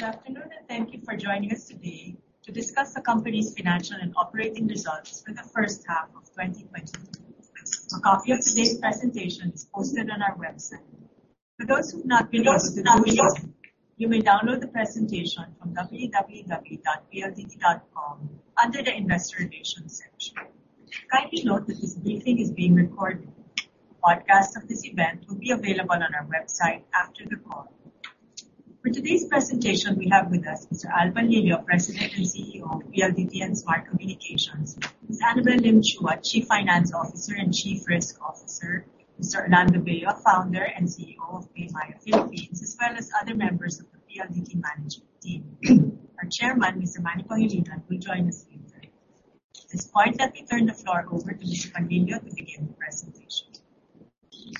Good afternoon, and thank you for joining us today to discuss the company's financial and operating results for the first half of 2022. A copy of today's presentation is posted on our website. For those who've not been able to join us, you may download the presentation from www.pldt.com under the Investor Relations section. Kindly note that this briefing is being recorded. A podcast of this event will be available on our website after the call. For today's presentation, we have with us Mr. Alfredo S. Panlilio, President and CEO of PLDT and Smart Communications, Ms. Anabelle Lim-Chua, Chief Finance Officer and Chief Risk Officer, Mr. Orlando B. Vea, Founder and CEO of PayMaya Philippines, as well as other members of the PLDT management team. Our chairman, Mr. Manuel V. Pangilinan, will join us later. At this point, let me turn the floor over to Mr. Panlilio to begin the presentation. Thank you.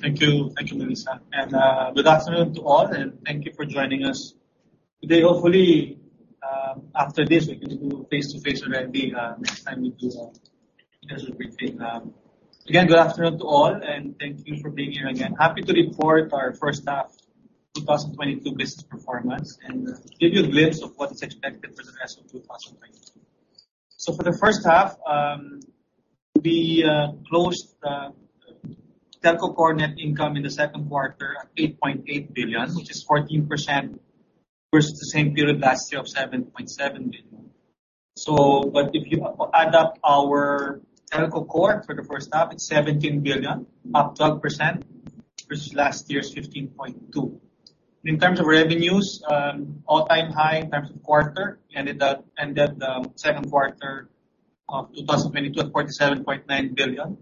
Thank you, Melissa. Good afternoon to all, and thank you for joining us today. Hopefully, after this, we can do face-to-face already, next time we do, this briefing. Again, good afternoon to all, and thank you for being here again. Happy to report our first half 2022 business performance and give you a glimpse of what is expected for the rest of 2022. For the first half, we closed Telco Core net income in the second quarter at 8.8 billion, which is 14% versus the same period last year of 7.7 billion. If you add up our Telco Core for the first half, it's 17 billion, up 12% versus last year's 15.2. In terms of revenues, all-time high in terms of quarter. Ended the second quarter of 2022 at 47.9 billion.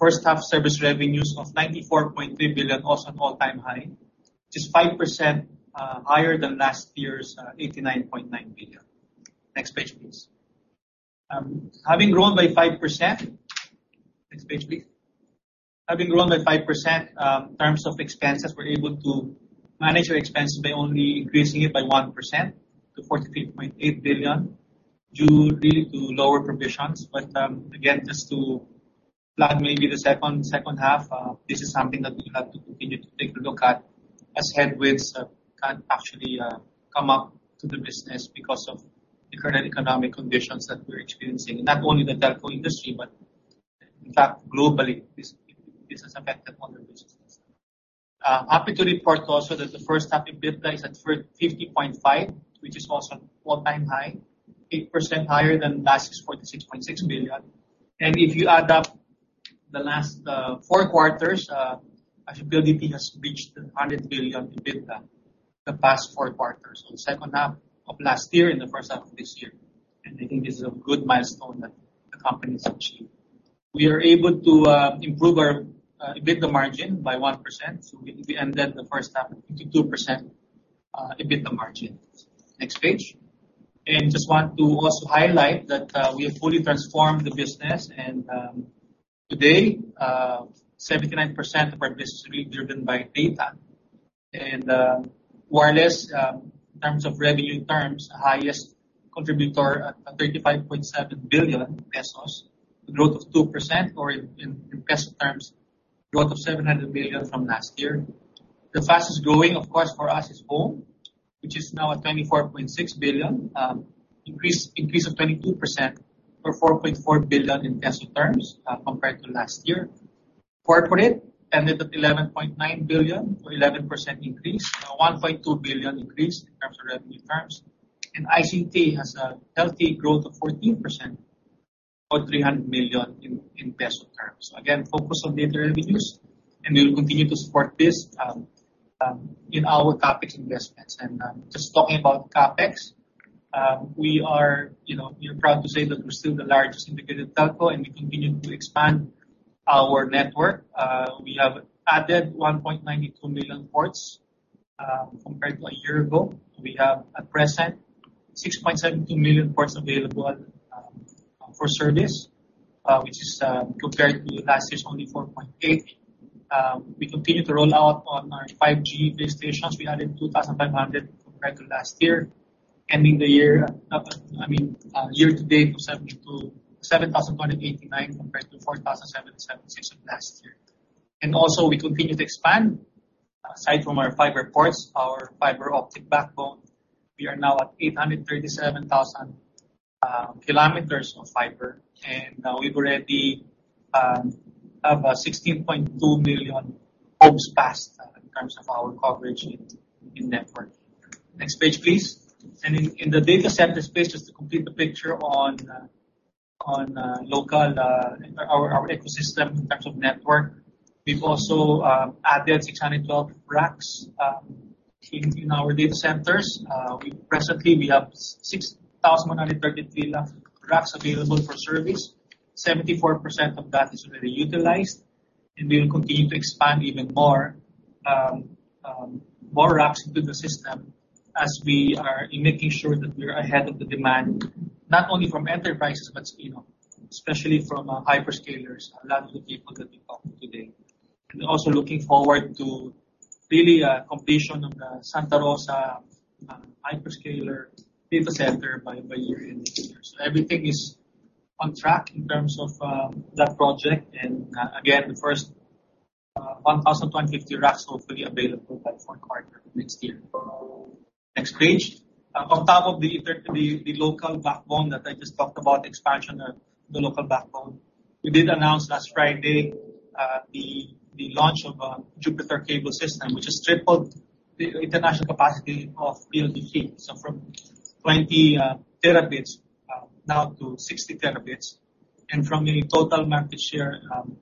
First half service revenues of 94.3 billion, also an all-time high, which is 5% higher than last year's 89.9 billion. Next page, please. Having grown by 5%, in terms of expenses, we're able to manage our expenses by only increasing it by 1% to 43.8 billion due really to lower provisions. Again, just to plan maybe the second half, this is something that we have to continue to take a look at as headwinds can actually come up to the business because of the current economic conditions that we're experiencing, not only in the telco industry, but in fact, globally, this has affected other businesses. Happy to report also that the first half EBITDA is at 50.5 billion, which is also an all-time high, 8% higher than last year's 46.6 billion. If you add up the last 4 quarters, I think PLDT has reached the 100 billion EBITDA the past 4 quarters. The second half of last year and the first half of this year. I think this is a good milestone that the company's achieved. We are able to improve our EBITDA margin by 1%, so we ended the first half at 52% EBITDA margin. Next page. Just want to also highlight that we have fully transformed the business. Today, 79% of our business is really driven by data. Wireless, in terms of revenue terms, the highest contributor at 35.7 billion pesos, a growth of 2%, or in peso terms, growth of 700 million from last year. The fastest growing, of course, for us is home, which is now at 24.6 billion, increase of 22% or 4.4 billion in peso terms, compared to last year. Corporate ended at 11.9 billion for 11% increase, a 1.2 billion increase in terms of revenue terms. ICT has a healthy growth of 14% or 300 million in peso terms. Again, focus on data revenues, and we will continue to support this in our CapEx investments. Just talking about CapEx, we are, you know, proud to say that we're still the largest integrated telco, and we continue to expand our network. We have added 1.92 million ports compared to a year ago. We have at present 6.72 million ports available for service, which is compared to last year's only 4.8. We continue to roll out on our 5G base stations. We added 2,500 compared to last year, ending the year at about, I mean, year to date to 7,189 compared to 4,776 of last year. We continue to expand, aside from our fiber ports, our fiber optic backbone. We are now at 837,000 kilometers of fiber, and we already have 16.2 million homes passed in terms of our coverage in network. Next page, please. In the data centers space, just to complete the picture on our local ecosystem in terms of network, we've also added 612 racks in our data centers. Presently, we have 6,133 racks available for service. 74% of that is already utilized. We will continue to expand even more racks into the system as we are making sure that we are ahead of the demand, not only from enterprises, but you know, especially from hyperscalers, a lot of the people that we talk to today. Looking forward to really completion of the Santa Rosa Hyperscaler data center by year end this year. Everything is on track in terms of that project. Again, the first 1,050 racks will be available by fourth quarter next year. Next page. On top of the local backbone that I just talked about, expansion of the local backbone, we did announce last Friday the launch of Jupiter Cable System, which has tripled the international capacity of PLDT. From 20 Tb now to 60 Tb. From a total market share among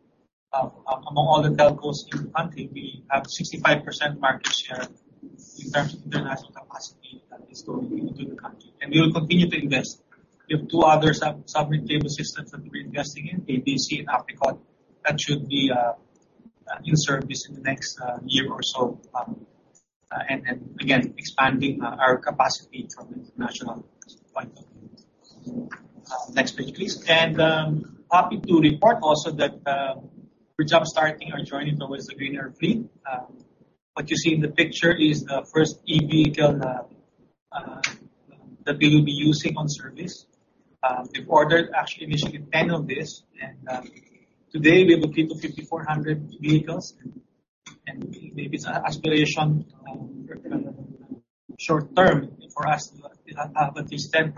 all the telcos in the country, we have 65% market share in terms of international capacity that is flowing into the country. We will continue to invest. We have two other submarine cable systems that we're investing in, ABC and 2Africa. That should be in service in the next year or so, expanding our capacity from international point of view. Next page, please. Happy to report also that we're jumpstarting our journey towards a greener fleet. What you see in the picture is the first EV vehicle that we will be using in service. We've ordered actually initially 10 of these. Today we have a fleet of 5,400 vehicles. Maybe it's an aspiration short-term for us to have at least 10%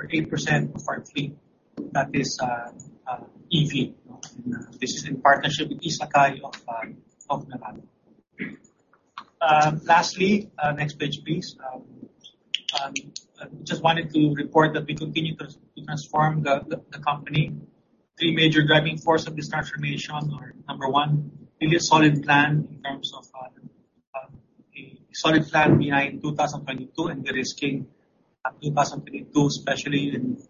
or 8% of our fleet that is EV, you know. This is in partnership with Isuzu of Japan. Lastly, next page, please. Just wanted to report that we continue to transform the company. Three major driving force of this transformation are, number one, build a solid plan in terms of a solid plan behind 2022 and de-risking at 2022, especially with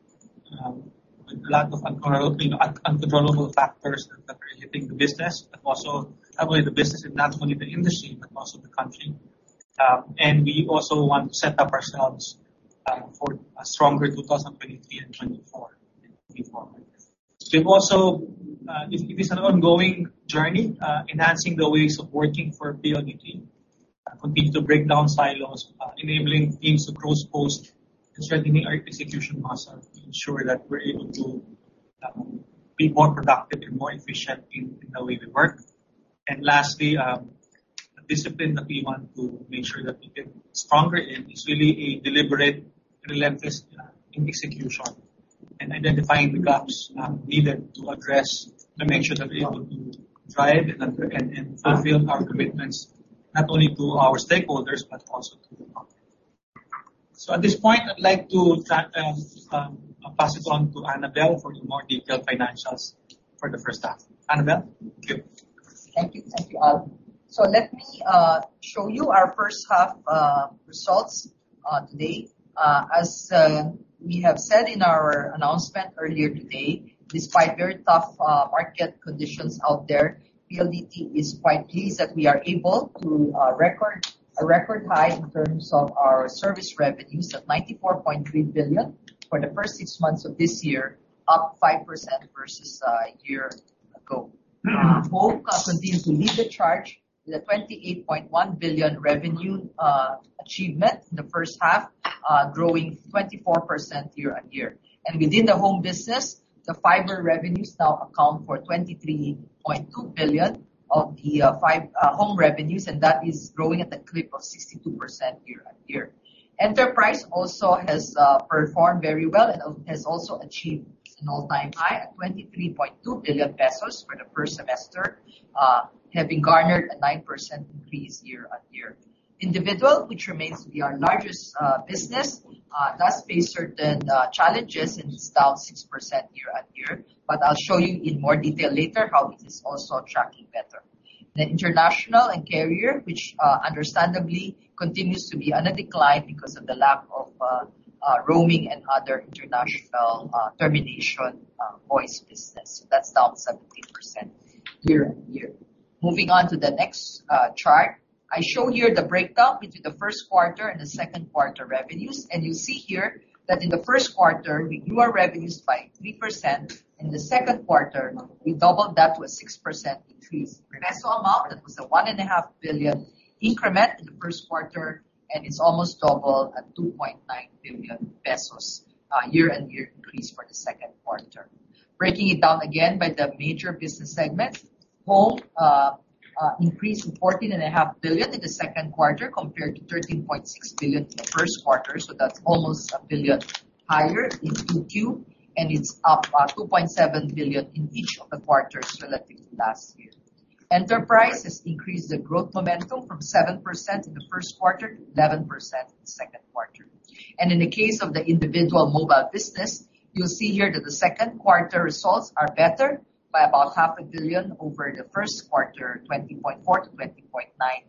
lot of uncontrollable factors that are hitting the business. Also, not only the business and not only the industry, but also the country. We also want to set up ourselves for a stronger 2023 and 2024 and moving forward. We've also. It is an ongoing journey enhancing the ways of working for PLDT. Continue to break down silos, enabling teams to cross-post and strengthening our execution muscle to ensure that we're able to be more productive and more efficient in the way we work. Lastly, a discipline that we want to make sure that we get stronger in is really a deliberate and relentless execution and identifying the gaps needed to address to make sure that we're able to drive and fulfill our commitments, not only to our stakeholders, but also to the public. At this point, I'd like to pass it on to Annabelle for the more detailed financials for the first half. Annabelle? Thank you. Thank you. Thank you, Al. Let me show you our first half results today. As we have said in our announcement earlier today, despite very tough market conditions out there, PLDT is quite pleased that we are able to record a record high in terms of our service revenues of 94.3 billion for the first six months of this year, up 5% versus a year ago. Home continues to lead the charge with a 28.1 billion revenue achievement in the first half, growing 24% year-on-year. Within the home business, the fiber revenues now account for 23.2 billion of the home revenues, and that is growing at a clip of 62% year-on-year. Enterprise also has performed very well and has also achieved an all-time high at 23.2 billion pesos for the first semester, having garnered a 9% increase year-on-year. Individual, which remains to be our largest business, does face certain challenges and is down 6% year-on-year. I'll show you in more detail later how this is also tracking better. The international and carrier, which understandably continues to be under decline because of the lack of roaming and other international termination voice business. That's down 17% year-on-year. Moving on to the next chart. I show here the breakdown between the first quarter and the second quarter revenues. You see here that in the first quarter, we grew our revenues by 3%. In the second quarter, we doubled that to a 6% increase. Peso amount, that was a 1.5 billion increment in the first quarter, and it's almost double at 2.9 billion pesos, year-on-year increase for the second quarter. Breaking it down again by the major business segments. Home increased to 14.5 billion in the second quarter, compared to 13.6 billion in the first quarter. That's almost a billion higher in 2Q, and it's up 2.7 billion in each of the quarters relative to last year. Enterprise has increased the growth momentum from 7% in the first quarter to 11% in the second quarter. In the case of the individual mobile business, you'll see here that the second quarter results are better by about half a billion PHP over the first quarter, 20.4 billion to 20.9 billion.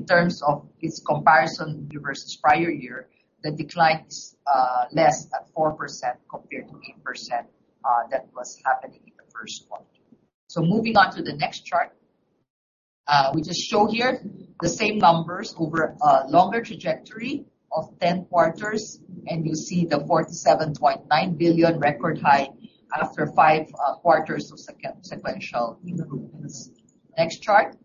In terms of its comparison versus prior year, the decline is less at 4% compared to 8% that was happening in the first quarter. Moving on to the next chart. We just show here the same numbers over a longer trajectory of 10 quarters, and you see the 47.9 billion record high after 5 quarters of sequential improvements. Next chart.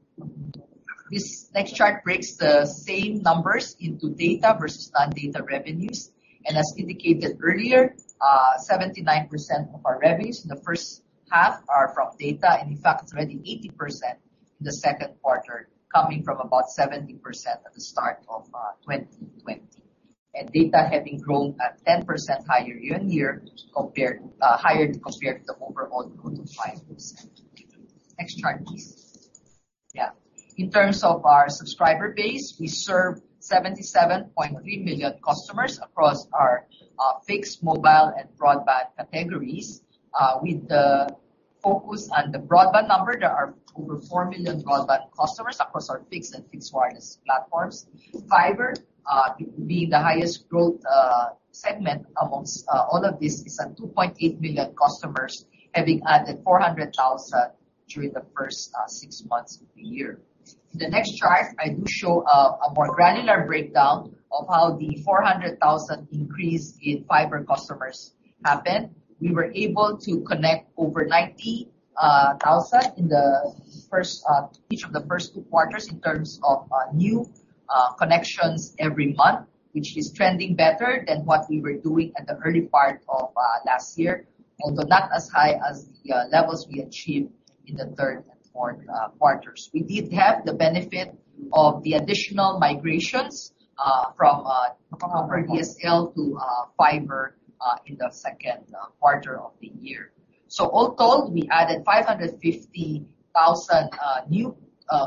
This next chart breaks the same numbers into data versus non-data revenues. As indicated earlier, 79% of our revenues in the first half are from data. In fact, it's already 80% in the second quarter, coming from about 70% at the start of 2020. Data having grown at 10% higher year-on-year compared to the overall growth of 5%. Next chart, please. Yeah. In terms of our subscriber base, we serve 77.3 million customers across our fixed mobile and broadband categories. With the focus on the broadband number, there are over 4 million broadband customers across our fixed and fixed wireless platforms. Fiber being the highest growth segment amongst all of this is at 2.8 million customers, having added 400,000 during the first six months of the year. In the next chart, I do show a more granular breakdown of how the 400,000 increase in fiber customers happened. We were able to connect over 90,000 in each of the first two quarters in terms of new connections every month, which is trending better than what we were doing at the early part of last year, although not as high as the levels we achieved in the third and fourth quarters. We did have the benefit of the additional migrations from DSL to fiber in the second quarter of the year. All told, we added 550,000 new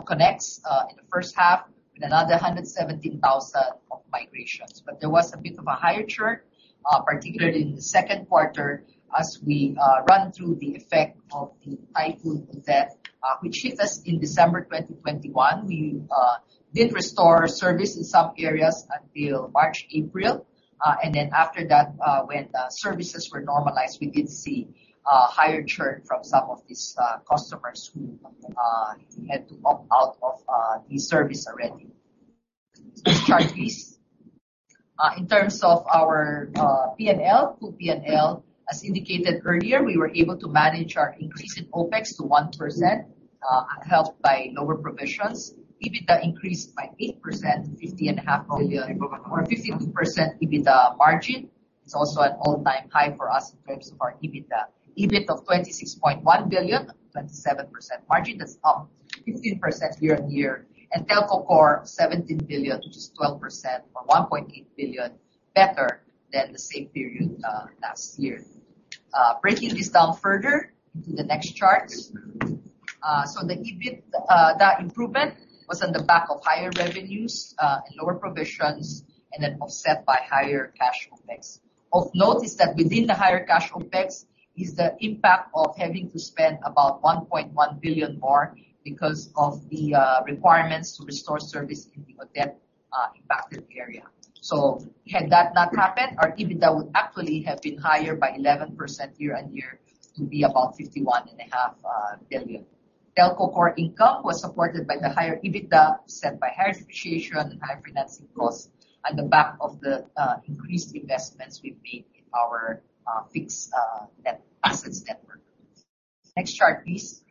connects in the first half with another 117,000 of migrations. There was a bit of a higher churn, particularly in the second quarter as we run through the effect of the Typhoon Odette, which hit us in December 2021. We did restore service in some areas until March, April. Then after that, when the services were normalized, we did see higher churn from some of these customers who had to opt out of the service already. Next chart, please. In terms of our P&L, full P&L, as indicated earlier, we were able to manage our increase in OpEx to 1%, helped by lower provisions. EBITDA increased by 8%, 50.5 billion or 15% EBITDA margin. It's also an all-time high for us in terms of our EBITDA. EBIT of 26.1 billion, 27% margin. That's up 15% year-on-year. Telco Core 17 billion, which is 12% or 1.8 billion better than the same period last year. Breaking this down further into the next charts. The EBIT that improvement was on the back of higher revenues and lower provisions, and then offset by higher cash OpEx. Notice that within the higher cash OpEx is the impact of having to spend about 1.1 billion more because of the requirements to restore service in the Odette impacted area. Had that not happened, our EBITDA would actually have been higher by 11% year-on-year to be about 51.5 billion. Telco Core income was supported by the higher EBITDA offset by higher depreciation and higher financing costs on the back of the increased investments we've made in our fixed network assets. Next chart, please.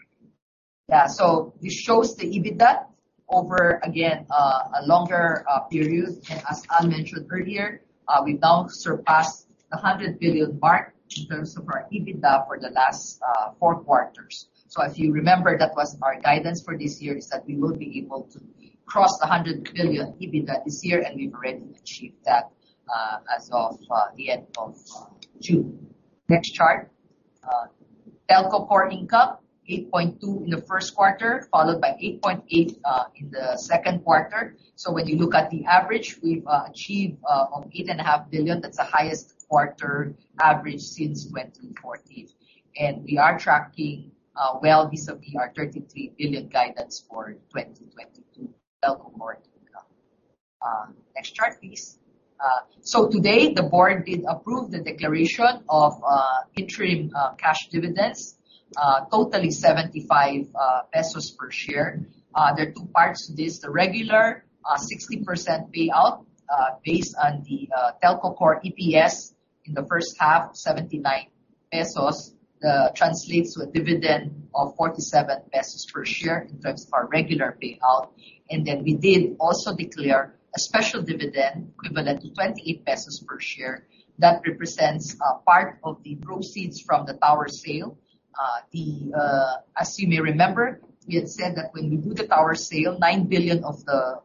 This shows the EBITDA over a longer period. As Al mentioned earlier, we've now surpassed the 100 billion mark in terms of our EBITDA for the last 4 quarters. If you remember, that was our guidance for this year, is that we will be able to cross the 100 billion EBITDA this year, and we've already achieved that, as of the end of June. Next chart. Telco Core income 8.2 in the first quarter, followed by 8.8 in the second quarter. When you look at the average, we've achieved of 8.5 billion. That's the highest quarter average since 2014. We are tracking well vis-à-vis our 33 billion guidance for 2022 Telco Core income. Next chart, please. Today the board did approve the declaration of interim cash dividends totaling 75 pesos per share. There are two parts to this. The regular 60% payout based on the Telco Core EPS in the first half, 79 pesos, translates to a dividend of 47 pesos per share in terms of our regular payout. We did also declare a special dividend equivalent to 28 pesos per share. That represents part of the proceeds from the tower sale. As you may remember, we had said that when we do the tower sale, 9 billion of the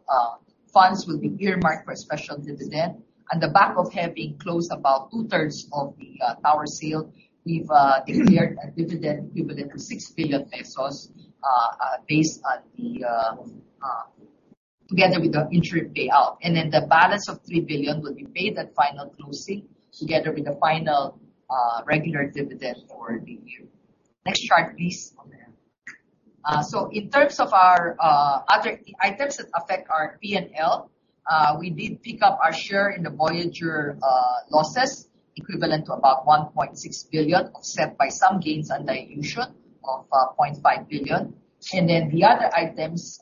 funds will be earmarked for a special dividend. On the back of having closed about 2/3 of the tower sale, we've declared a dividend equivalent to 6 billion pesos, based on, together with the interim payout. The balance of 3 billion will be paid at final closing together with the final regular dividend for the year. Next chart, please. In terms of our other items that affect our P&L, we did pick up our share in the Voyager Innovations losses equivalent to about 1.6 billion, offset by some gains on dilution of 0.5 billion. The other items,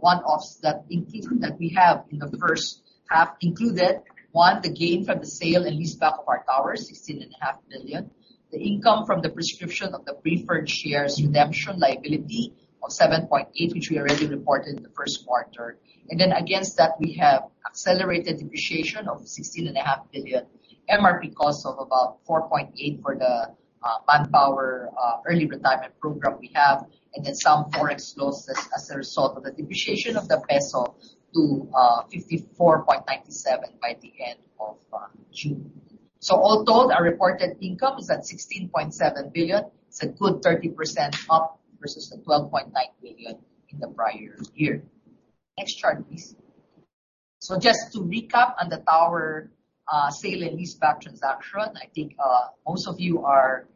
one-offs, including those we have in the first half, included one, the gain from the sale and leaseback of our towers, 16.5 billion. The income from the prescription of the preferred shares redemption liability of 7.8 billion, which we already reported in the first quarter. Then against that, we have accelerated depreciation of 16.5 billion. MRP costs of about 4.8 billion for the manpower early retirement program we have, and then some ForEx losses as a result of the depreciation of the peso to 54.97 by the end of June. All told, our reported income is at 16.7 billion. It's a good 30% up versus the 12.9 billion in the prior year. Next chart, please. Just to recap on the tower sale and leaseback transaction. I think most of you are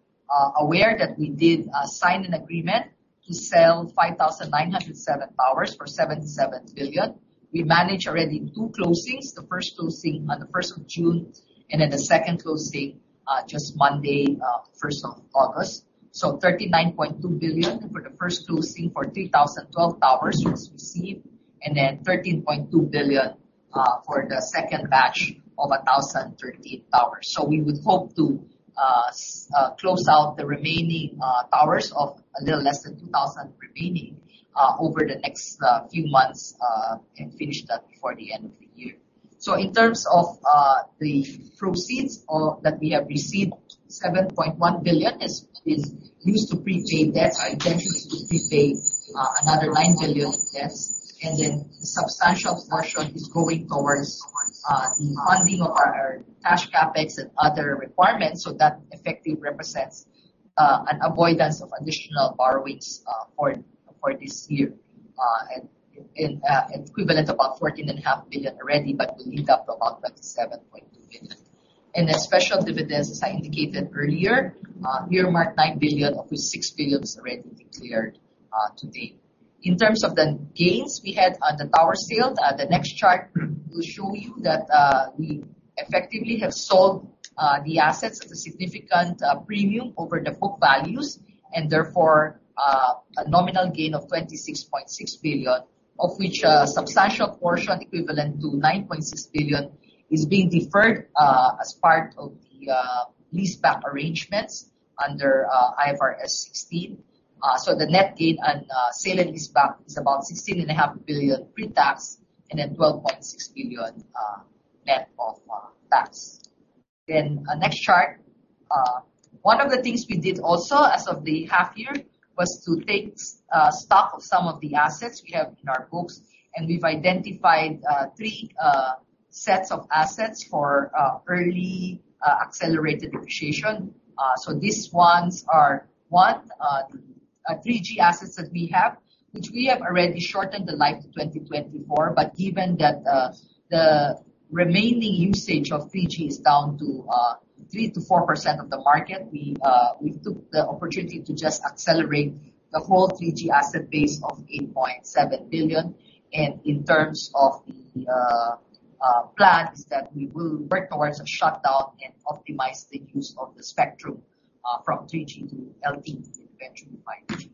aware that we did sign an agreement to sell 5,907 towers for 77 billion. We managed already two closings. The first closing on the 1st of June, and then the second closing just Monday, 1st of August. 39.2 billion for the first closing for 3,012 towers was received, and then 13.2 billion for the second batch of 1,013 towers. We would hope to close out the remaining towers of a little less than 2,000 remaining over the next few months and finish that before the end of the year. In terms of the proceeds that we have received, 7.1 billion is used to pre-pay debts. Our intention is to pre-pay another 9 billion of debts, and then a substantial portion is going towards the funding of our cash CapEx and other requirements. That effectively represents an avoidance of additional borrowings for this year. In an equivalent of about 14.5 billion already, but will link up to about 27.2 billion. The special dividends, as I indicated earlier, earmarked 9 billion, of which 6 billion is already declared to date. In terms of the gains we had on the tower sale, the next chart will show you that we effectively have sold the assets at a significant premium over the book values and therefore a nominal gain of 26.6 billion, of which a substantial portion equivalent to 9.6 billion is being deferred as part of the leaseback arrangements under IFRS 16. The net gain on sale and leaseback is about 16.5 billion pre-tax and then 12.6 billion net of tax. Next chart. One of the things we did also as of the half year was to take stock of some of the assets we have in our books, and we've identified three sets of assets for early accelerated depreciation. These are our 3G assets that we have. We have already shortened the life to 2024, but given that the remaining usage of 3G is down to 3%-4% of the market, we took the opportunity to just accelerate the whole 3G asset base of 8.7 billion. In terms of the plan, we will work towards a shutdown and optimize the use of the spectrum from 3G to LTE and eventually 5G.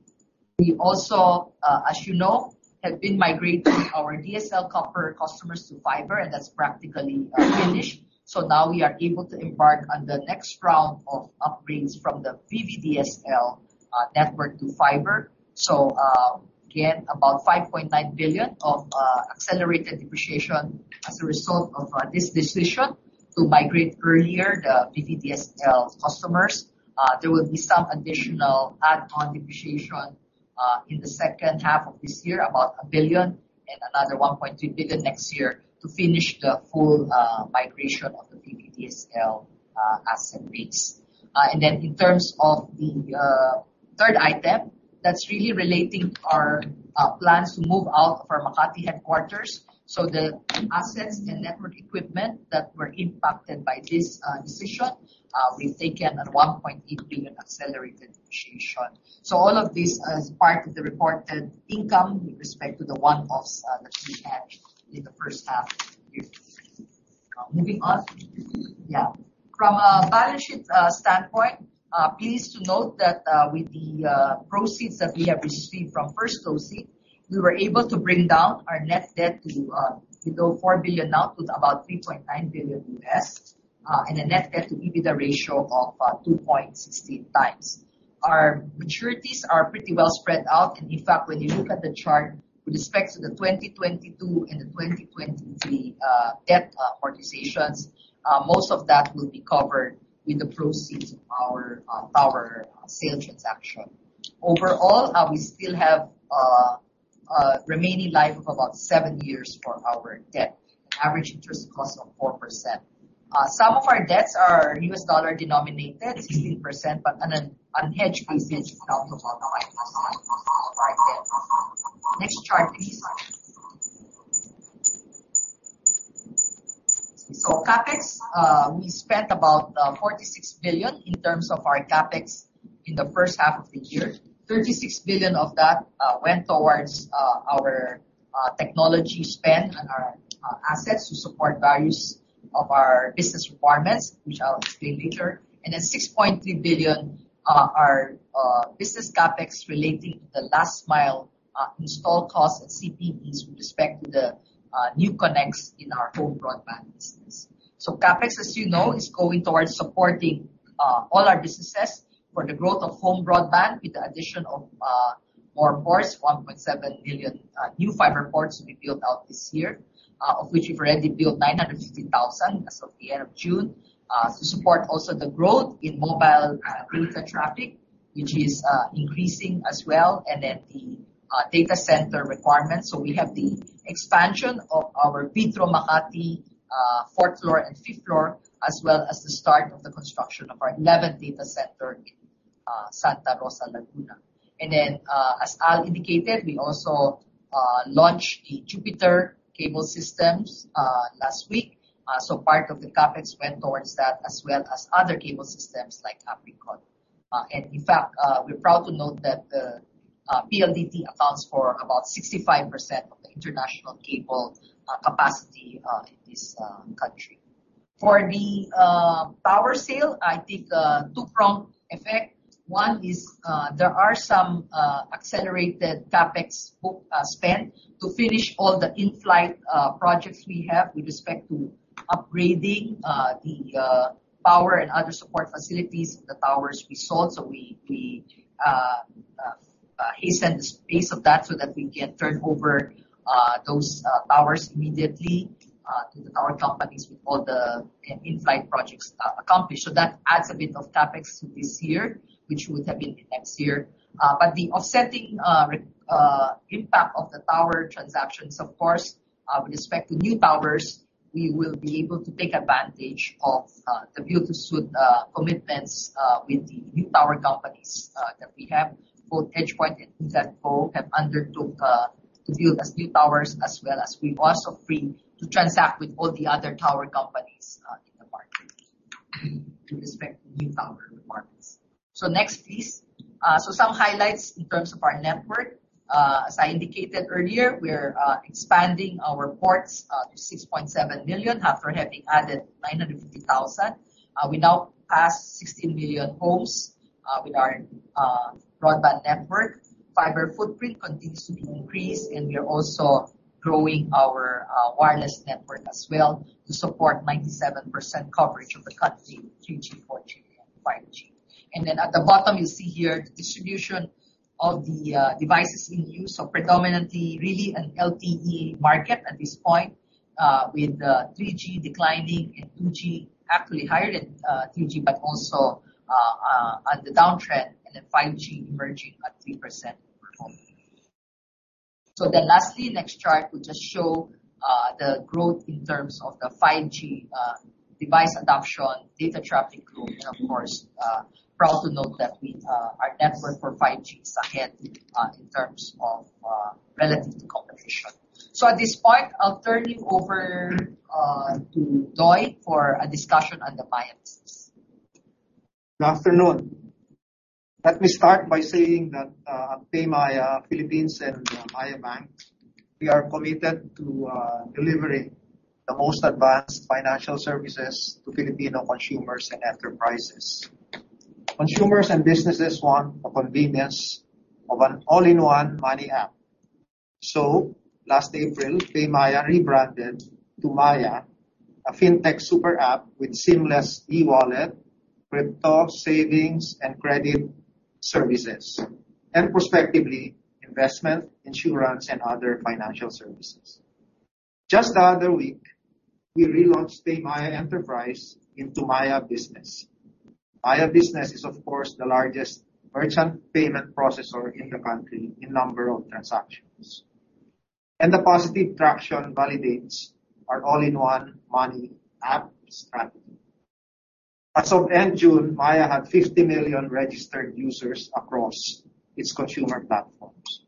We also, as you know, have been migrating our DSL copper customers to fiber, and that's practically finished. Now we are able to embark on the next round of upgrades from the VDSL network to fiber. Again, about 5.9 billion of accelerated depreciation as a result of this decision to migrate earlier the VDSL customers. There will be some additional add-on depreciation in the second half of this year, about 1 billion and another 1.2 billion next year to finish the full migration of the VDSL asset base. In terms of the third item, that's really relating to our plans to move out of our Makati headquarters. The assets and network equipment that were impacted by this decision, we've taken a 1.8 billion accelerated depreciation. All of this is part of the reported income with respect to the one-offs that we had in the first half of the year. Moving on. Yeah. From a balance sheet standpoint, please note that with the proceeds that we have received from first closing, we were able to bring down our net debt to below 4 billion now to about $3.9 billion, and a net debt to EBITDA ratio of 2.60x. Our maturities are pretty well spread out. In fact, when you look at the chart with respect to the 2022 and the 2023 debt obligations, most of that will be covered with the proceeds of our tower sale transaction. Overall, we still have a remaining life of about 7 years for our debt. Average interest cost of 4%. Some of our debts are US dollar denominated, 16%, but on an unhedged basis, amount to about 9% of our debt. Next chart, please. CapEx, we spent about 46 billion in terms of our CapEx in the first half of the year. 36 billion of that went towards our technology spend on our assets to support various of our business requirements, which I'll explain later. Then 6.3 billion are business CapEx relating to the last mile install costs at CPEs with respect to the new connects in our home broadband business. CapEx, as you know, is going towards supporting all our businesses for the growth of home broadband with the addition of more ports, 1.7 billion new fiber ports to be built out this year, of which we've already built 950,000 as of the end of June. To support also the growth in mobile data traffic, which is increasing as well, and then the data center requirements. We have the expansion of our VITRO Makati fourth floor and fifth floor, as well as the start of the construction of our 11th data center in Santa Rosa, Laguna. As Al indicated, we also launched the Jupiter cable systems last week. Part of the CapEx went towards that as well as other cable systems like Apricot. In fact, we're proud to note that PLDT accounts for about 65% of the international cable capacity in this country. For the tower sale, I think a two-pronged effect. One is, there are some accelerated CapEx booked spend to finish all the in-flight projects we have with respect to upgrading the power and other support facilities of the towers we sold. We hastened the pace of that so that we can turn over those towers immediately to the tower companies with all the in-flight projects accomplished. That adds a bit of CapEx to this year, which would have been next year. The offsetting impact of the tower transactions, of course, with respect to new towers, we will be able to take advantage of the build-to-suit commitments with the new tower companies that we have. Both EdgePoint and edotco have undertook to build these new towers, as well as we're also free to transact with all the other tower companies in the market with respect to new tower requirements. Next, please. Some highlights in terms of our network. As I indicated earlier, we're expanding our ports to 6.7 million after having added 950,000. We now pass 16 million homes with our broadband network. Fiber footprint continues to be increased, and we are also growing our wireless network as well to support 97% coverage of the country through 2G, 4G, and 5G. Then at the bottom, you see here the distribution of the devices in use. Predominantly really an LTE market at this point, with 3G declining and 2G actually higher than 3G, but also on the downtrend and then 5G emerging at 3%. Lastly, next chart will just show the growth in terms of the 5G device adoption, data traffic growth. Of course, proud to note that our network for 5G is ahead in terms of relative to competition. At this point, I'll turn you over to Doy for a discussion on the finances. Good afternoon. Let me start by saying that, at PayMaya Philippines and Maya Bank, we are committed to, delivering the most advanced financial services to Filipino consumers and enterprises. Consumers and businesses want the convenience of an all-in-one money app. Last April, PayMaya rebranded to Maya, a fintech super app with seamless e-wallet, crypto, savings, and credit services, and prospectively investment, insurance, and other financial services. Just the other week, we relaunched PayMaya Enterprise into Maya Business. Maya Business is, of course, the largest merchant payment processor in the country in number of transactions. The positive traction validates our all-in-one money app strategy. As of end June, Maya had 50 million registered users across its consumer platforms.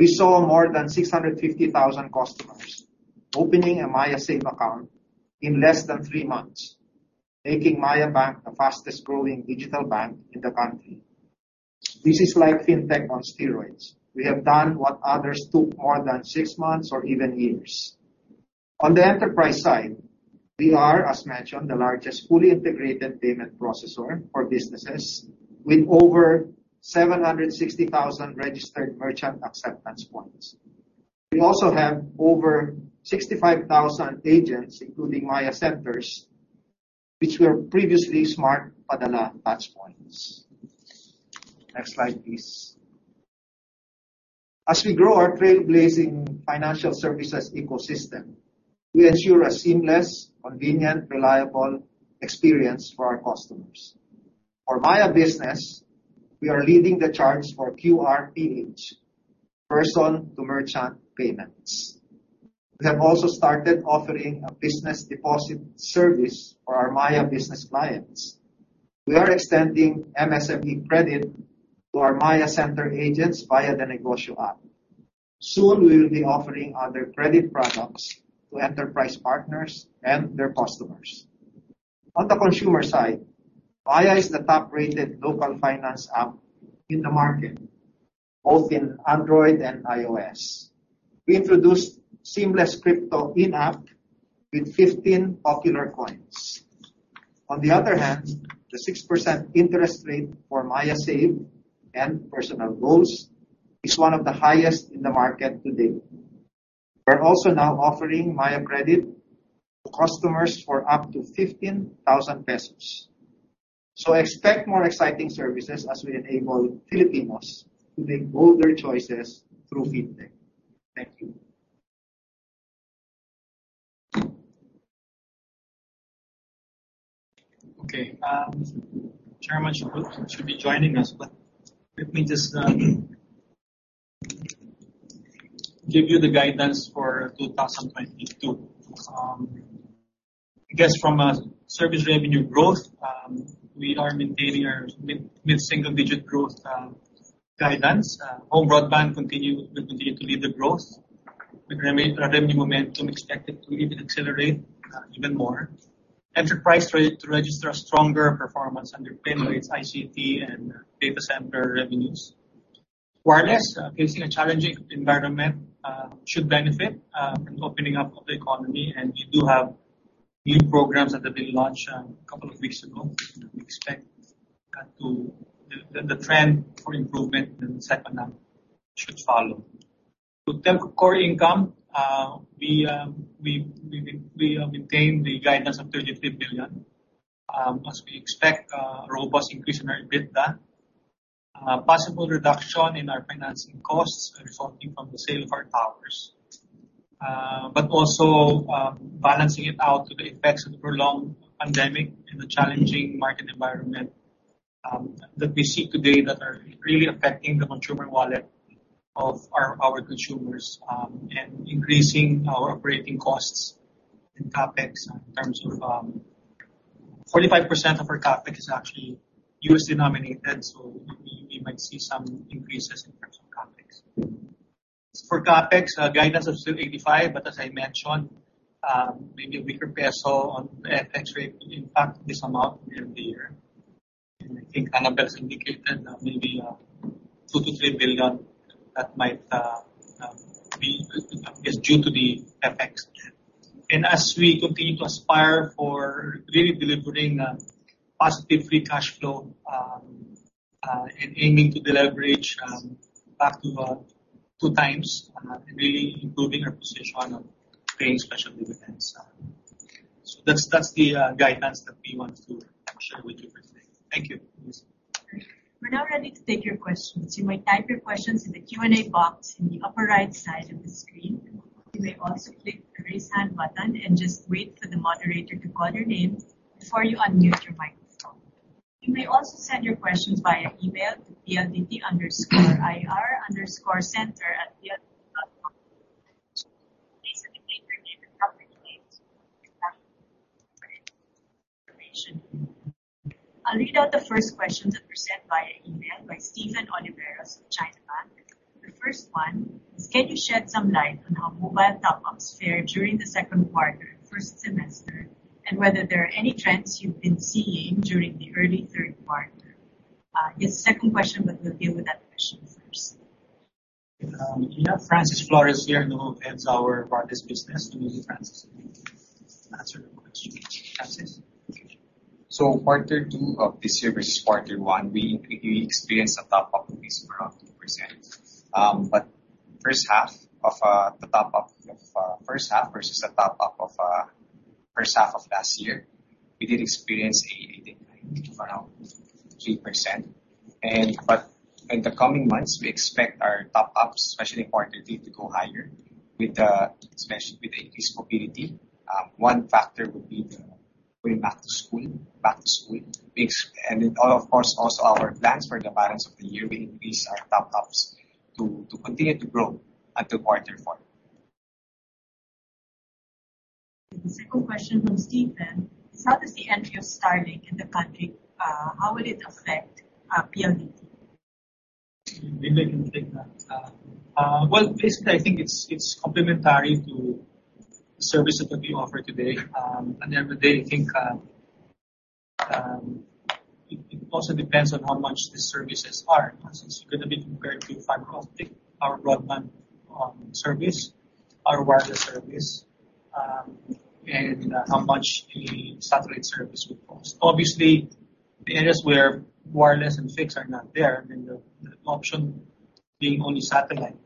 We saw more than 650,000 customers opening a Maya Save account in less than 3 months, making Maya Bank the fastest growing digital bank in the country. This is like fintech on steroids. We have done what others took more than 6 months or even years. On the enterprise side, we are, as mentioned, the largest fully integrated payment processor for businesses with over 760,000 registered merchant acceptance points. We also have over 65,000 agents, including Maya centers, which were previously Smart Padala touchpoints. Next slide, please. As we grow our trailblazing financial services ecosystem, we ensure a seamless, convenient, reliable experience for our customers. For Maya Business, we are leading the charge for QRPH, person-to-merchant payments. We have also started offering a business deposit service for our Maya business clients. We are extending MSME credit to our Maya Center agents via the Negosyo app. Soon, we will be offering other credit products to enterprise partners and their customers. On the consumer side, Maya is the top-rated local finance app in the market, both in Android and iOS. We introduced seamless crypto in-app with 15 popular coins. On the other hand, the 6% interest rate for Maya Save and personal goals is one of the highest in the market today. We're also now offering Maya Credit to customers for up to 15,000 pesos. Expect more exciting services as we enable Filipinos to make bolder choices through FinTech. Thank you. Okay. Chairman should be joining us, but let me just give you the guidance for 2022. I guess from a service revenue growth, we are maintaining our mid-single-digit growth guidance. Home broadband will continue to lead the growth. Revenue momentum expected to even accelerate even more. Enterprise expected to register a stronger performance, underpinned by its ICT and data center revenues. Wireless, facing a challenging environment, should benefit from opening up of the economy. We do have new programs that have been launched a couple of weeks ago. We expect that the trend for improvement in the second half should follow. With Telco core income, we maintain the guidance of 33 billion as we expect a robust increase in our EBITDA. Possible reduction in our financing costs resulting from the sale of our towers. Also, balancing it out to the effects of prolonged pandemic and the challenging market environment that we see today that are really affecting the consumer wallet of our consumers, and increasing our operating costs and CapEx in terms of 45% of our CapEx is actually USD denominated, so we might see some increases in terms of CapEx. For CapEx guidance of 285 billion, but as I mentioned, maybe weaker peso on FX rate will impact this amount near the year. I think Anabelle has indicated that maybe two to three billion that might is due to the FX. As we continue to aspire for really delivering a positive Free Cash Flow, and aiming to deleverage back to 2x, and really improving our position on paying special dividends. That's the guidance that we want to share with you for today. Thank you. We're now ready to take your questions. You may type your questions in the Q&A box in the upper right side of the screen. You may also click the Raise Hand button and just wait for the moderator to call your name before you unmute your microphone. You may also send your questions via email to pldt_ir_center@pldt.com.ph. Please indicate your name and company name for identification. I'll read out the first questions that were sent via email by Steven Olivares of China Bank Securities. The first one is: Can you shed some light on how mobile top-ups fared during the second quarter, first semester, and whether there are any trends you've been seeing during the early third quarter? He has a second question, but we'll deal with that question first. Francis Flores here, who heads our wireless business. Maybe Francis can answer the question. Francis. Quarter two of this year versus quarter one, we experienced a top-up increase of around 2%. First half top-up versus first half of last year, we did experience a decline of around 3%. In the coming months, we expect our top-ups, especially in quarter three, to go higher, especially with the increased mobility. One factor would be the back to school weeks. Of course, also our plans for the balance of the year, we increase our top-ups to continue to grow until quarter four. The second question from Steven: How does the entry of Starlink in the country, how will it affect PLDT? Maybe I can take that. Well, basically, I think it's complementary to the services that we offer today. I think it also depends on how much the services are. It's gonna be compared to fiber optic, our broadband service, our wireless service, and how much the satellite service would cost. Obviously, the areas where wireless and fixed are not there, then the option being only satellite.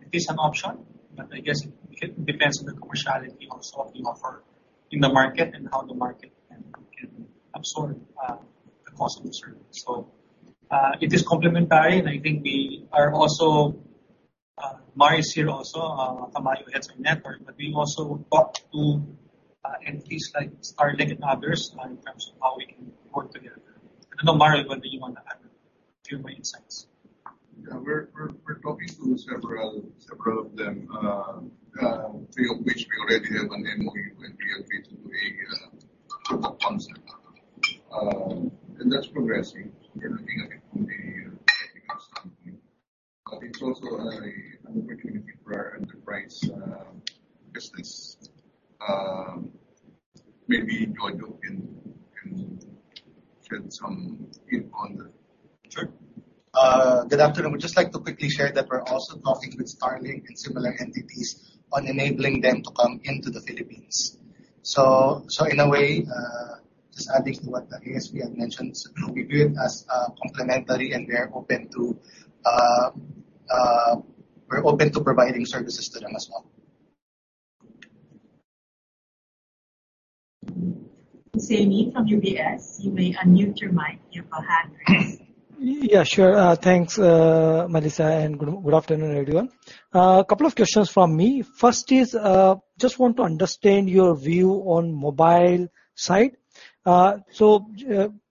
It is an option, but I guess it depends on the commerciality also of the offer in the market and how the market can absorb the cost of the service. It is complementary, and I think we are also, Mario is here also, Mario heads our network, but we've also talked to entities like Starlink and others, in terms of how we can work together. I don't know, Mario, what do you want to add, a few more insights? Yeah. We're talking to several of them, three of which we already have an MOU with PLDT to a proof of concept. That's progressing. It's also an opportunity for our enterprise business. Maybe Jojo can shed some view on that. Sure. Good afternoon. Would just like to quickly share that we're also talking with Starlink and similar entities on enabling them to come into the Philippines. In a way, just adding to what Espie had mentioned, we view it as complementary, and we're open to providing services to them as well. Sami from UBS, you may unmute your mic. You have a hand raised. Yeah, sure. Thanks, Melissa, and good afternoon, everyone. Couple of questions from me. First is, just want to understand your view on mobile side. So,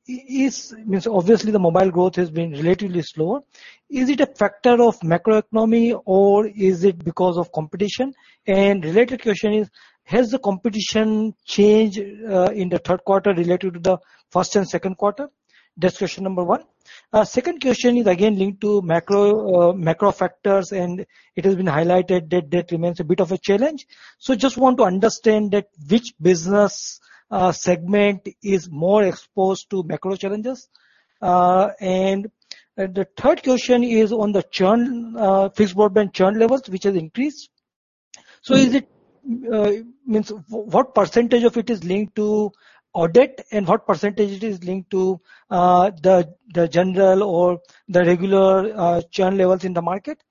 means obviously the mobile growth has been relatively slower. Is it a factor of macroeconomy, or is it because of competition? Related question is, has the competition changed, in the third quarter related to the first and second quarter? That's question number one. Second question is again linked to macro factors, and it has been highlighted that remains a bit of a challenge. Just want to understand that which business segment is more exposed to macro challenges. And the third question is on the churn, fixed broadband churn levels, which has increased. What percentage of it is linked to Odette, and what percentage it is linked to the general or the regular churn levels in the market?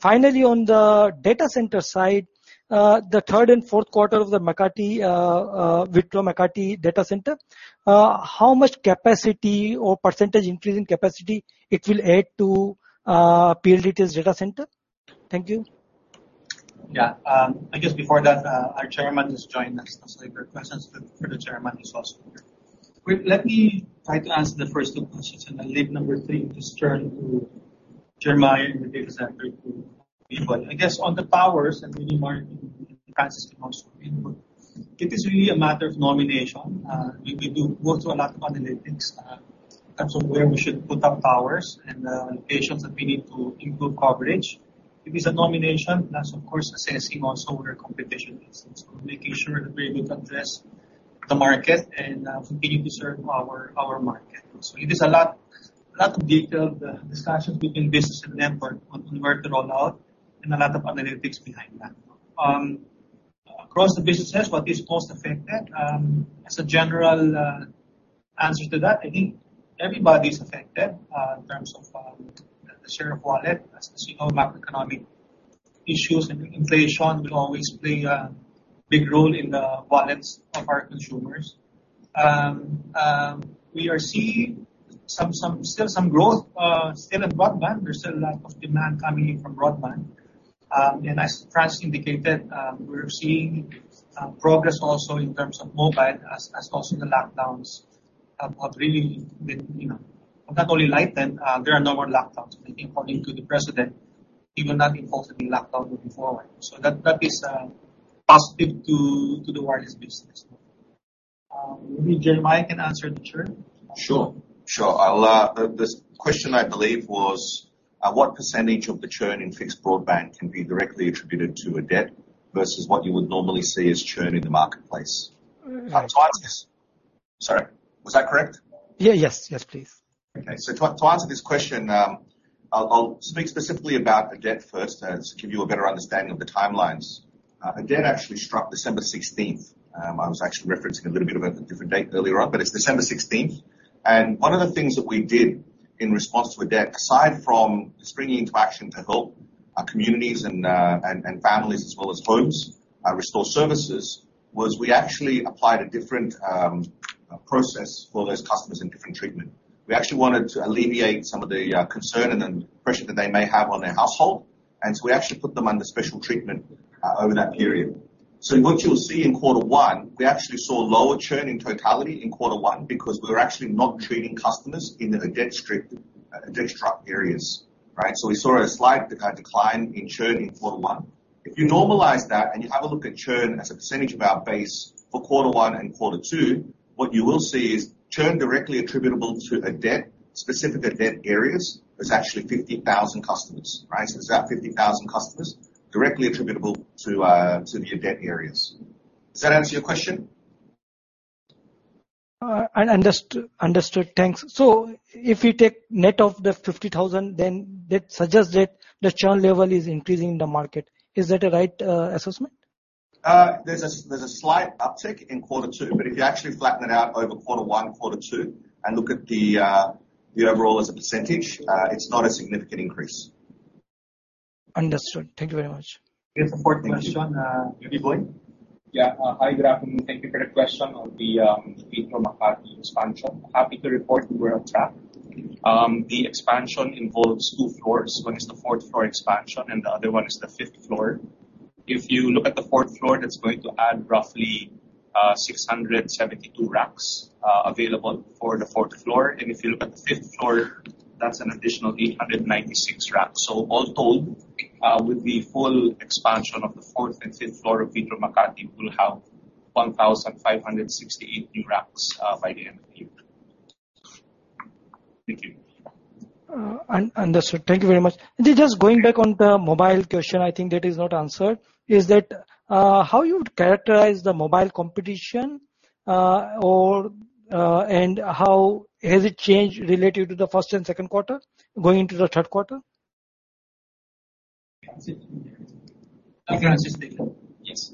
Finally, on the data center side, the third and fourth quarter of the VITRO Makati data center, how much capacity or percentage increase in capacity it will add to PLDT's data center? Thank you. I guess before that, our chairman has joined us, so if there are questions for the chairman who's also here. Quick, let me try to answer the first two questions, and I'll leave number three. Just turn to Jeremiah in the data center group. I guess on the towers, and maybe Martin can answer this also. It is really a matter of nomination. We do go through a lot of analytics in terms of where we should put up towers and locations that we need to improve coverage. It is a nomination, plus of course assessing also where competition is. Making sure that we are able to address the market and continue to serve our market also. It is a lot of detailed discussions between business and network on where to roll out and a lot of analytics behind that. Across the businesses, what is most affected, as a general answer to that, I think everybody's affected in terms of the share of wallet. As you know, macroeconomic issues and inflation will always play a big role in the wallets of our consumers. We are seeing some still some growth still in broadband. There's still a lot of demand coming in from broadband. As Franz indicated, we're seeing progress also in terms of mobile as also the lockdowns have really been, you know, have not only lightened. There are no more lockdowns. I think according to the president, he will not impose any lockdown moving forward. That is positive to the wireless business. Maybe Jeremiah can answer the churn. Sure. The question I believe was, what percentage of the churn in fixed broadband can be directly attributed to Odette versus what you would normally see as churn in the marketplace? To answer this. Sorry, was that correct? Yeah. Yes. Yes, please. Okay. To answer this question, I'll speak specifically about Odette first, to give you a better understanding of the timelines. Odette actually struck December 16th. I was actually referencing a little bit of a different date earlier on, but it's December 16th. One of the things that we did in response to Odette, aside from springing into action to help our communities and families as well as homes, restore services, was we actually applied a different process for those customers and different treatment. We actually wanted to alleviate some of the concern and the pressure that they may have on their household. We actually put them under special treatment over that period. What you'll see in quarter one, we actually saw lower churn in totality in quarter one because we're actually not treating customers in the Odette-stricken, Odette-struck areas, right? We saw a slight decline in churn in quarter one. If you normalize that and you have a look at churn as a percentage of our base for quarter one and quarter two, what you will see is churn directly attributable to Odette, specific Odette areas, was actually 50,000 customers, right? It's about 50,000 customers directly attributable to the Odette areas. Does that answer your question? Understood. Thanks. If we take net of the 50,000, then that suggests that the churn level is increasing in the market. Is that a right assessment? There's a slight uptick in quarter two, but if you actually flatten it out over quarter one, quarter two and look at the overall as a percentage, it's not a significant increase. Understood. Thank you very much. Okay. Fourth question, maybe Anastacio Martirez. Yeah. Hi, good afternoon. Thank you for the question on the VITRO Makati expansion. Happy to report we're on track. The expansion involves two floors. One is the fourth floor expansion, and the other one is the fifth floor. If you look at the fourth floor, that's going to add roughly 672 racks available for the fourth floor. If you look at the fifth floor, that's an additional 896 racks. So all told With the full expansion of the fourth and fifth floor of VITRO Makati, we'll have 1,568 new racks by the end of the year. Thank you. Understood. Thank you very much. Just going back on the mobile question, I think that is not answered. Is that how you would characterize the mobile competition, or and how has it changed related to the first and second quarter going into the third quarter? I can answer. You can answer it, yeah. Yes.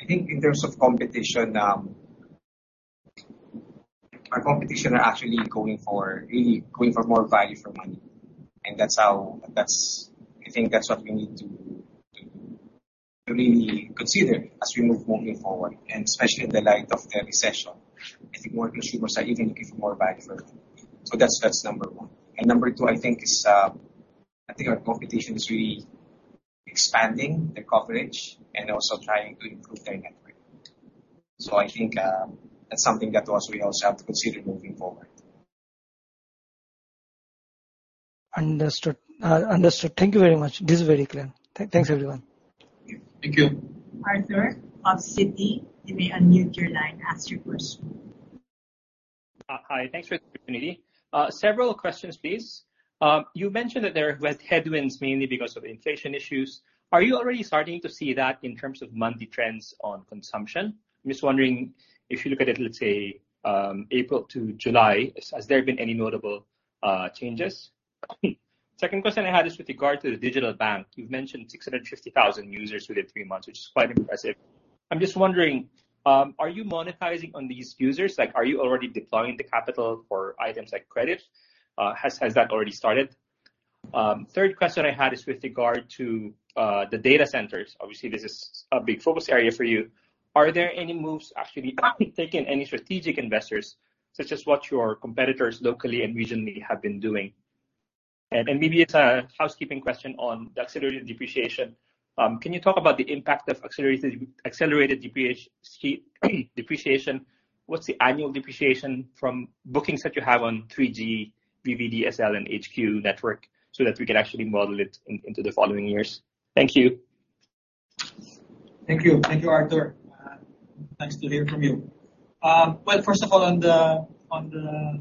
I think in terms of competition, our competition are actually going for more value for money. That's what we need to really consider as we move forward, and especially in the light of the recession. I think more consumers are even looking for more value for money. That's number one. Number two, I think our competition is really expanding the coverage and also trying to improve their network. I think that's something that we also have to consider moving forward. Understood. Thank you very much. This is very clear. Thanks, everyone. Thank you. Arthur of Citi, you may unmute your line, ask your question. Hi. Thanks for the opportunity. Several questions, please. You mentioned that there were headwinds mainly because of inflation issues. Are you already starting to see that in terms of monthly trends on consumption? I'm just wondering if you look at, let's say, April to July, has there been any notable changes? Second question I had is with regard to the digital bank. You've mentioned 650,000 users within three months, which is quite impressive. I'm just wondering, are you monetizing on these users? Like, are you already deploying the capital for items like credit? Has that already started? Third question I had is with regard to the data centers. Obviously, this is a big focus area for you. Are there any moves actually taking any strategic investors, such as what your competitors locally and regionally have been doing? Maybe it's a housekeeping question on the accelerated depreciation. Can you talk about the impact of accelerated depreciation? What's the annual depreciation from bookings that you have on 3G, VDSL and HFC network so that we can actually model it into the following years? Thank you. Thank you. Thank you, Arthur. Nice to hear from you. Well, first of all, on the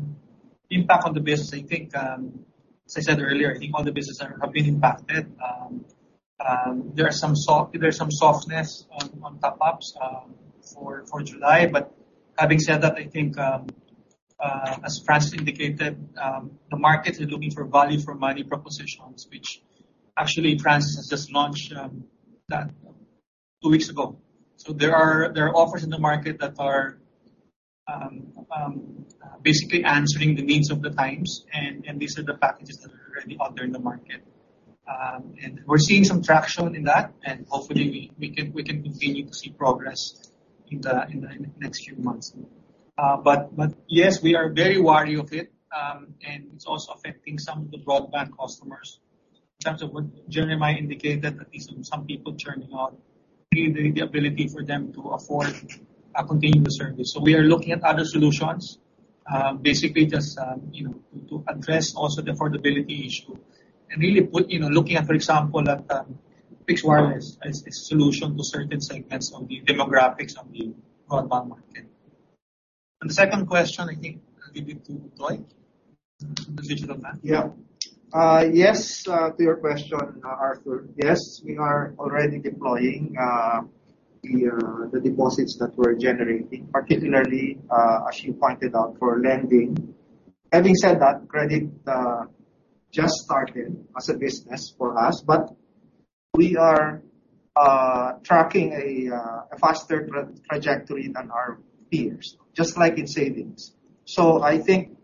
impact on the business, I think, as I said earlier, I think all the businesses have been impacted. There is some softness on top-ups for July. Having said that, I think, as Francis indicated, the market is looking for value for money propositions, which actually Francis has just launched, 2 weeks ago. There are offers in the market that are basically answering the needs of the times, and these are the packages that are already out there in the market. We're seeing some traction in that, and hopefully we can continue to see progress in the next few months. Yes, we are very wary of it, and it's also affecting some of the broadband customers. In terms of what Jeremiah indicated, that is some people churning out, really the ability for them to afford continuous service. We are looking at other solutions, basically just, you know, to address also the affordability issue. Really put, you know, looking at, for example, at fixed wireless as solution to certain segments of the demographics of the broadband market. On the second question, I think I'll give it to Doy, on the digital bank. Yeah. Yes, to your question, Arthur. Yes, we are already deploying the deposits that we're generating, particularly as you pointed out, for lending. Having said that, credit just started as a business for us, but we are tracking a faster trajectory than our peers, just like in savings. I think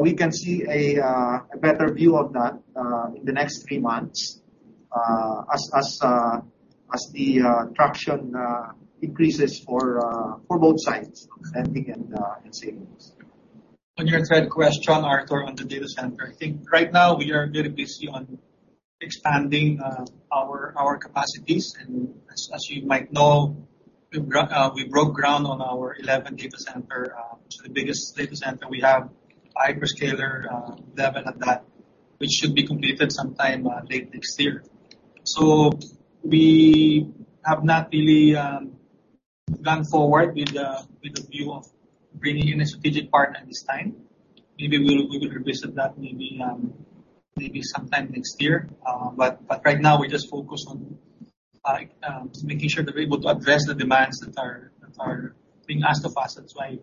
we can see a better view of that in the next three months as the traction increases for both sides, lending and savings. On your third question, Arthur, on the data center. I think right now we are very busy on expanding our capacities. As you might know, we broke ground on our 11th data center, which is the biggest data center we have, a hyperscaler development that should be completed sometime late next year. We have not really gone forward with the view of bringing in a strategic partner this time. Maybe we will revisit that maybe sometime next year. Right now we just focus on, like, making sure that we're able to address the demands that are being asked of us. That's why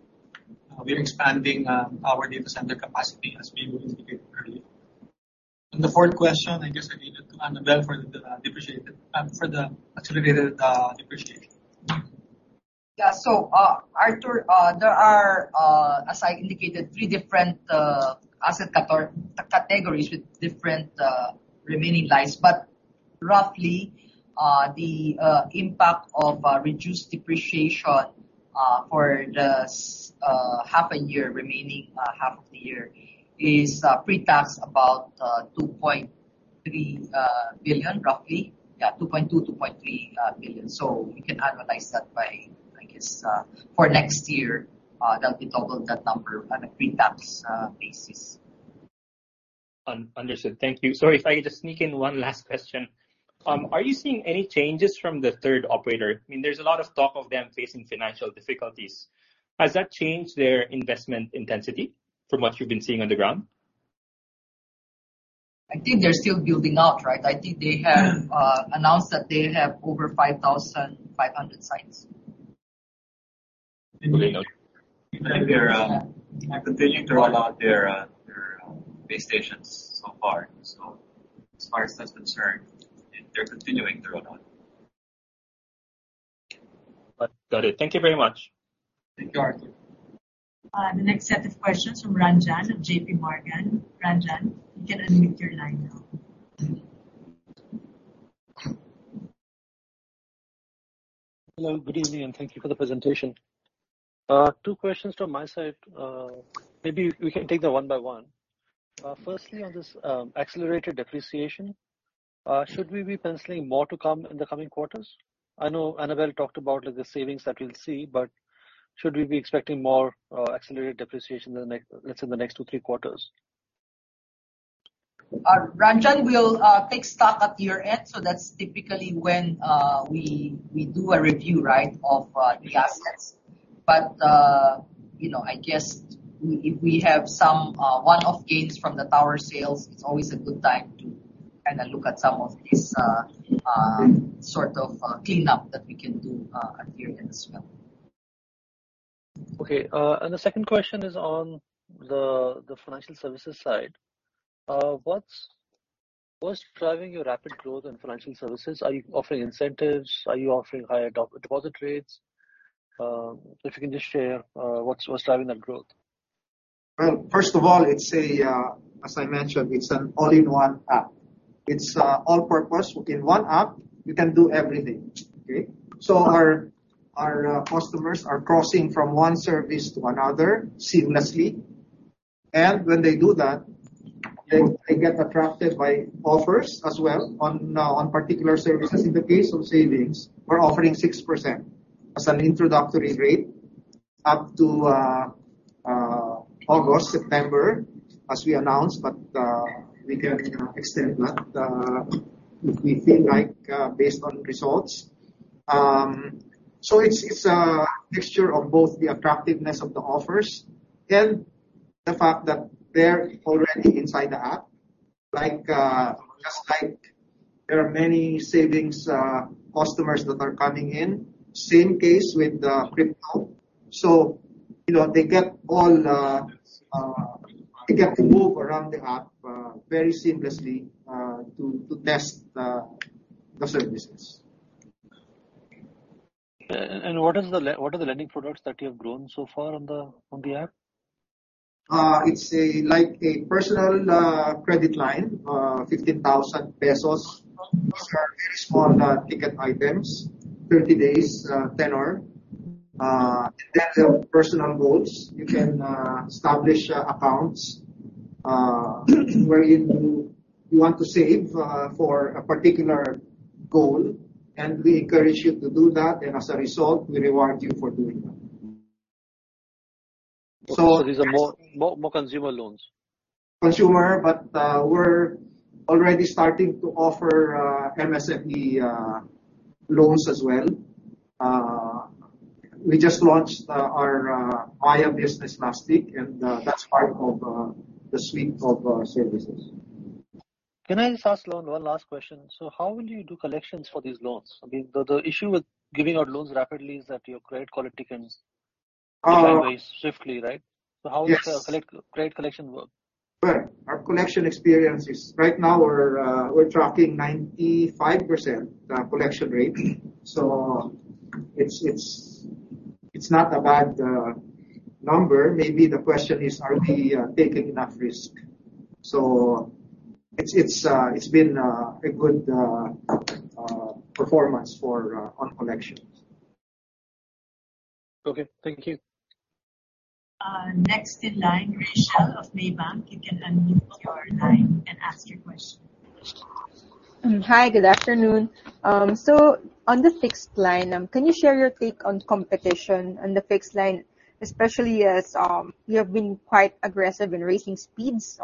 we're expanding our data center capacity as we indicated earlier. On the fourth question, I guess I give it to Anabelle for the accelerated depreciation. Yeah. Arthur, there are, as I indicated, three different asset categories with different remaining lives. Roughly, the impact of reduced depreciation for the half a year remaining, half of the year is pre-tax about 2.3 billion, roughly. Yeah, 2.2 billion, 2.3 billion. You can annualize that. For next year, that'll be double that number on a pre-tax basis. Understood. Thank you. Sorry, if I could just sneak in one last question. Are you seeing any changes from the third operator? I mean, there's a lot of talk of them facing financial difficulties. Has that changed their investment intensity from what you've been seeing on the ground? I think they're still building out, right. I think they have announced that they have over 5,500 sites. Building out. I think they're continuing to roll out their base stations so far. As far as that's concerned, they're continuing to roll out. Got it. Thank you very much. Thank you. The next set of questions from Ranjan of J.P. Morgan. Ranjan, you can unmute your line now. Hello, good evening, and thank you for the presentation. Two questions from my side. Maybe we can take them one-by-one. Firstly, on this, accelerated depreciation, should we be penciling more to come in the coming quarters? I know Anabelle talked about like the savings that we'll see, but should we be expecting more, accelerated depreciation in the next, let's say in the next 2, 3 quarters? Ranjan, we'll take stock at year-end, so that's typically when we do a review, right, of the assets. You know, I guess if we have some one-off gains from the tower sales, it's always a good time to kinda look at some of these sort of cleanup that we can do at year-end as well. The second question is on the financial services side. What's driving your rapid growth in financial services? Are you offering incentives? Are you offering higher deposit rates? If you can just share, what's driving that growth. Well, first of all, it's a, as I mentioned, it's an all-in-one app. It's all-purpose. Within one app, you can do everything. Okay. Our customers are crossing from one service to another seamlessly. When they do that, they get attracted by offers as well on particular services. In the case of savings, we're offering 6% as an introductory rate up to August, September, as we announced, but we can extend that if we feel like, based on results. It's a mixture of both the attractiveness of the offers and the fact that they're already inside the app. Like, just like there are many savings customers that are coming in, same case with crypto. You know, they get all. They get to move around the app very seamlessly to test the services. What are the lending products that you have grown so far on the app? It's a, like a personal credit line, 15,000 pesos for very small ticket items, 30 days tenor. In terms of personal goals, you can establish accounts where you want to save for a particular goal, and we encourage you to do that. As a result, we reward you for doing that. These are more consumer loans? Consumer, we're already starting to offer MSME loans as well. We just launched our Maya Business last week, and that's part of the suite of services. Can I just ask one last question? How will you do collections for these loans? I mean, the issue with giving out loans rapidly is that your credit quality can decline very swiftly, right? Yes. How does the credit collection work? Well, our collection experience is right now we're tracking 95% collection rate. It's not a bad number. Maybe the question is, are we taking enough risk? It's been a good performance on collections. Okay, thank you. Next in line, Rochelle of Maybank. You can unmute your line and ask your question. Hi, good afternoon. On the fixed line, can you share your take on competition on the fixed line, especially as you have been quite aggressive in raising speeds?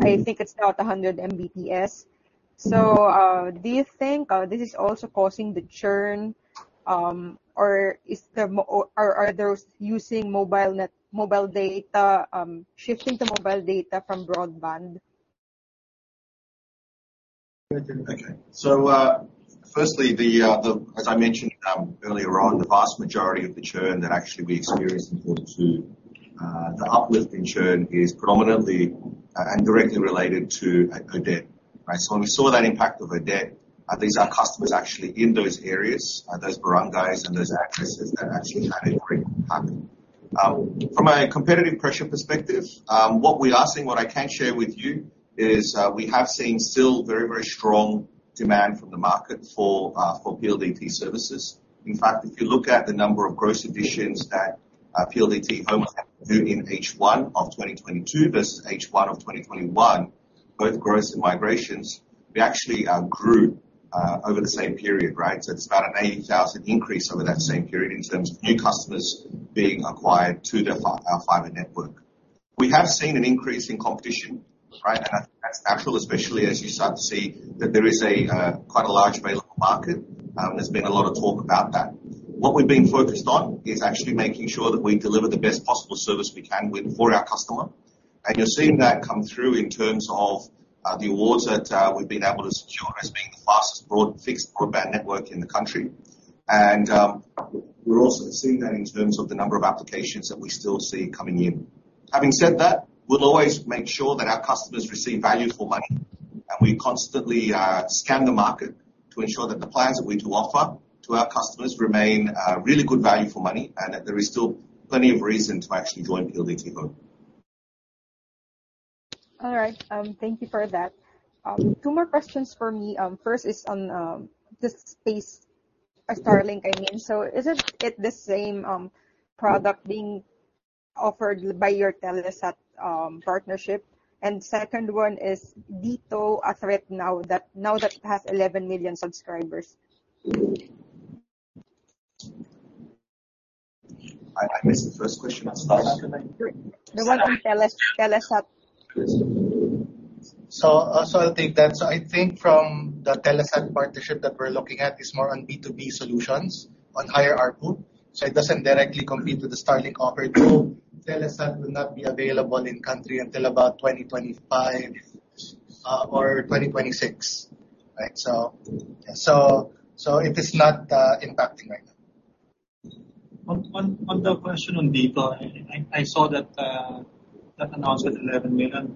I think it's now at 100 Mbps. Do you think this is also causing the churn, or are those using mobile data shifting to mobile data from broadband? Okay. Firstly, as I mentioned earlier on, the vast majority of the churn that actually we experienced in quarter two, the uplift in churn is predominantly and directly related to Odette. Right. When we saw that impact of Odette, these are customers actually in those areas, those barangays and those addresses that actually had a great impact. From a competitive pressure perspective, what we are seeing, what I can share with you is, we have seen still very, very strong demand from the market for PLDT services. In fact, if you look at the number of gross additions that PLDT Home had in H1 of 2022 versus H1 of 2021. Both growth and migrations, we actually grew over the same period, right? It's about an 80,000 increase over that same period in terms of new customers being acquired to our fiber network. We have seen an increase in competition, right. I think that's natural, especially as you start to see that there is a quite a large available market. There's been a lot of talk about that. What we've been focused on is actually making sure that we deliver the best possible service we can for our customer. You're seeing that come through in terms of the awards that we've been able to secure as being the fastest broad fixed broadband network in the country. We're also seeing that in terms of the number of applications that we still see coming in. Having said that, we'll always make sure that our customers receive value for money. We constantly scan the market to ensure that the plans that we do offer to our customers remain really good value for money, and that there is still plenty of reason to actually join PLDT Home. All right. Thank you for that. Two more questions for me. First is on the Starlink, I mean. Isn't it the same product being offered by your Telesat partnership? And second one is DITO a threat now that it has 11 million subscribers? I missed the first question. Starlink, I think. The one from Telesat. Yes. I'll take that. I think from the Telesat partnership that we're looking at is more on B2B solutions on higher ARPU. It doesn't directly compete with the Starlink offering, though Telesat will not be available in country until about 2025 or 2026. Right. It is not impacting right now. On the question on DITO, I saw that announced at 11 million.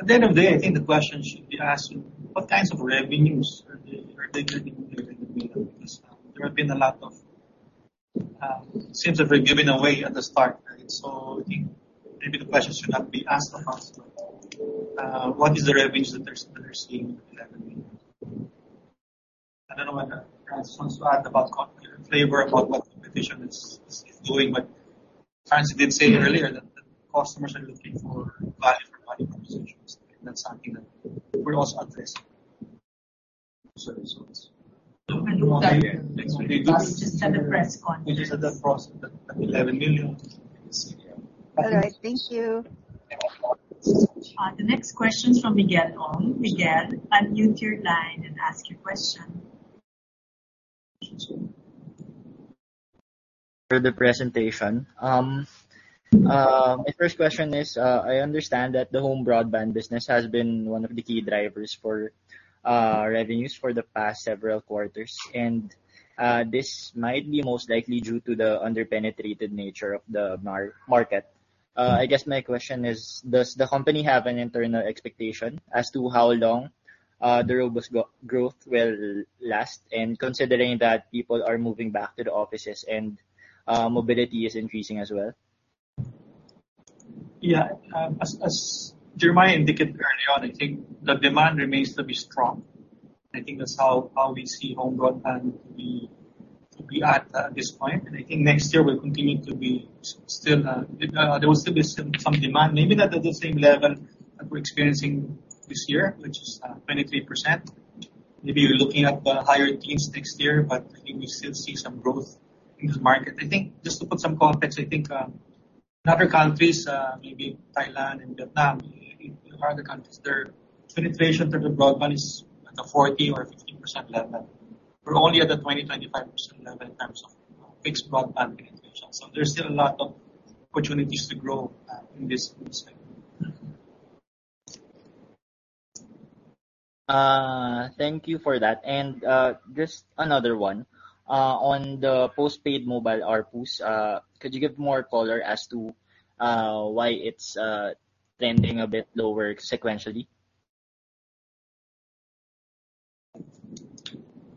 At the end of the day, I think the question should be asking what kinds of revenues are they generating there in the million. Because there have been a lot of SIMs seem to have been given away at the start. I think maybe the question should not be asked of us, but what is the revenues that they're seeing in 11 million. I don't know whether Francis Flores wants to add some flavor about what the competition is doing. Francis Flores did say earlier that the customers are looking for value for money propositions, and that's something that we're also addressing. Service-wise. Just at the press conference. Just at the cost of 11 million. All right. Thank you. The next question is from Miguel Ong. Miguel, unmute your line and ask your question. For the presentation. My first question is, I understand that the home broadband business has been one of the key drivers for revenues for the past several quarters. This might be most likely due to the under-penetrated nature of the market. I guess my question is, does the company have an internal expectation as to how long the robust growth will last? Considering that people are moving back to the offices and mobility is increasing as well. Yeah. As Jeremiah indicated early on, I think the demand remains to be strong. I think that's how we see home broadband to be at this point. I think next year there will still be some demand, maybe not at the same level that we're experiencing this year, which is 23%. Maybe we're looking at higher teens next year, but I think we still see some growth in this market. I think just to put some context, I think in other countries, maybe Thailand and Vietnam, maybe even other countries, their penetration for the broadband is at the 40 or 50% level. We're only at the 20-25% level in terms of fixed broadband penetration. There's still a lot of opportunities to grow in this space. Thank you for that. Just another one. On the postpaid mobile ARPUs, could you give more color as to why it's trending a bit lower sequentially?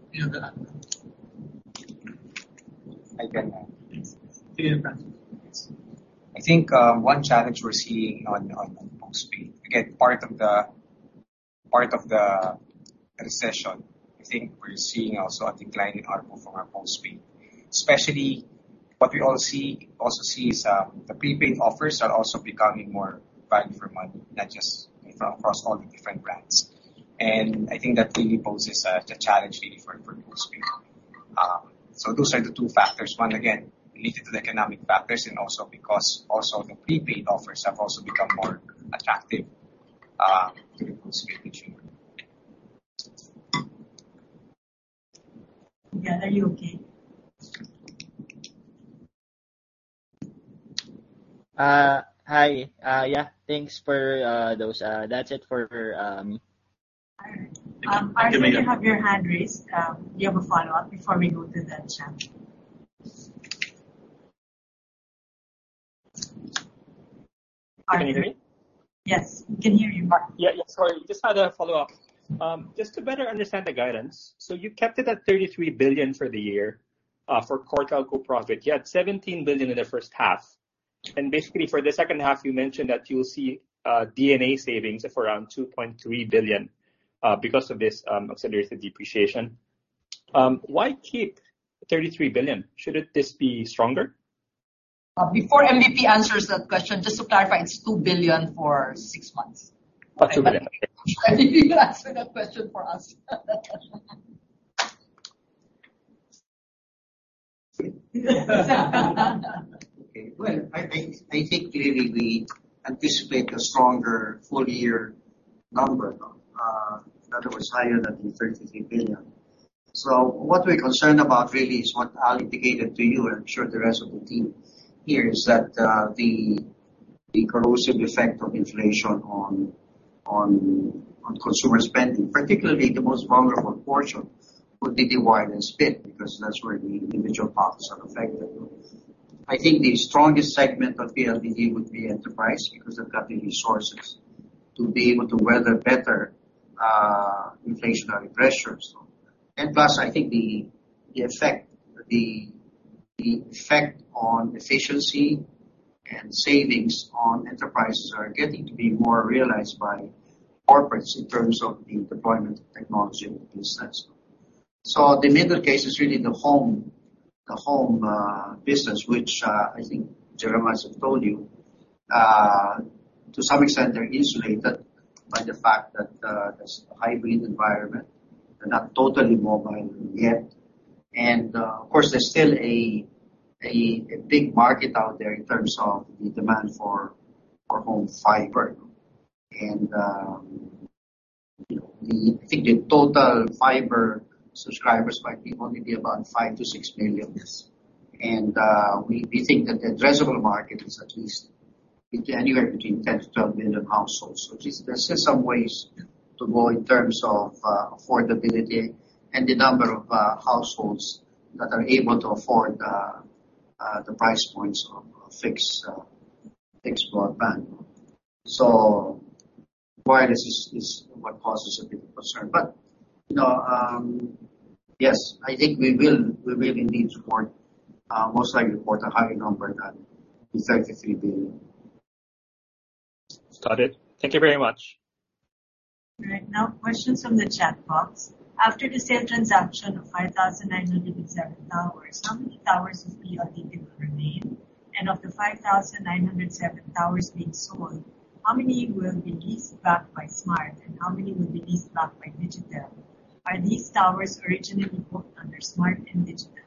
Do you have that, Franz? I can. Yes. I think one challenge we're seeing on postpaid, again, part of the recession. I think we're seeing also a decline in ARPU for our postpaid. Especially what we all see is the prepaid offers are also becoming more value for money, not just across all the different brands. I think that really poses the challenge really for postpaid. So those are the two factors. One, again, related to the economic factors and also because the prepaid offers have also become more attractive to the postpaid consumer. Miguel, are you okay? Hi. Yeah, thanks for those. That's it for me. All right. Arthur, you have your hand raised. Do you have a follow-up before we go to the chat? Arthur. Can you hear me? Yes, we can hear you, Arthur. Yeah, yeah, sorry. Just had a follow-up. Just to better understand the guidance. So you kept it at 33 billion for the year, for core cap profit. You had 17 billion in the first half. Basically for the second half you mentioned that you'll see D&A savings of around 2.3 billion because of this accelerated depreciation. Why keep 33 billion? Shouldn't this be stronger? Before MVP answers that question, just to clarify, it's 2 billion for six months. Absolutely. You answered that question for us. Well, I think really we anticipate a stronger full year number that was higher than 33 billion. What we're concerned about really is what Al indicated to you, and I'm sure the rest of the team here, is that the corrosive effect of inflation on consumer spending. Particularly the most vulnerable portion would be the wireless bit, because that's where the individual pockets are affected. I think the strongest segment of PLDT would be enterprise because they've got the resources to be able to weather better inflationary pressures. Plus, I think the effect on efficiency and savings on enterprises are getting to be more realized by corporates in terms of the deployment of technology in that sense. The middle case is really the home business which I think Jeremiah has told you. To some extent they're insulated by the fact that there's a hybrid environment. They're not totally mobile yet. Of course, there's still a big market out there in terms of the demand for home fiber. I think the total fiber subscribers might only be about 5-6 million. We think that the addressable market is at least anywhere between 10-12 million households. At least there's still some ways to go in terms of affordability and the number of households that are able to afford the price points of fixed broadband. Wireless is what causes a bit of concern. You know, yes, I think we will indeed support most likely a higher number than the PHP 33 billion. Got it. Thank you very much. All right, now questions from the chat box. After the sale transaction of 5,907 towers, how many towers will PLDT will remain? And of the 5,907 towers being sold, how many will be leased back by Smart, and how many will be leased back by Digitel? Are these towers originally booked under Smart and Digitel?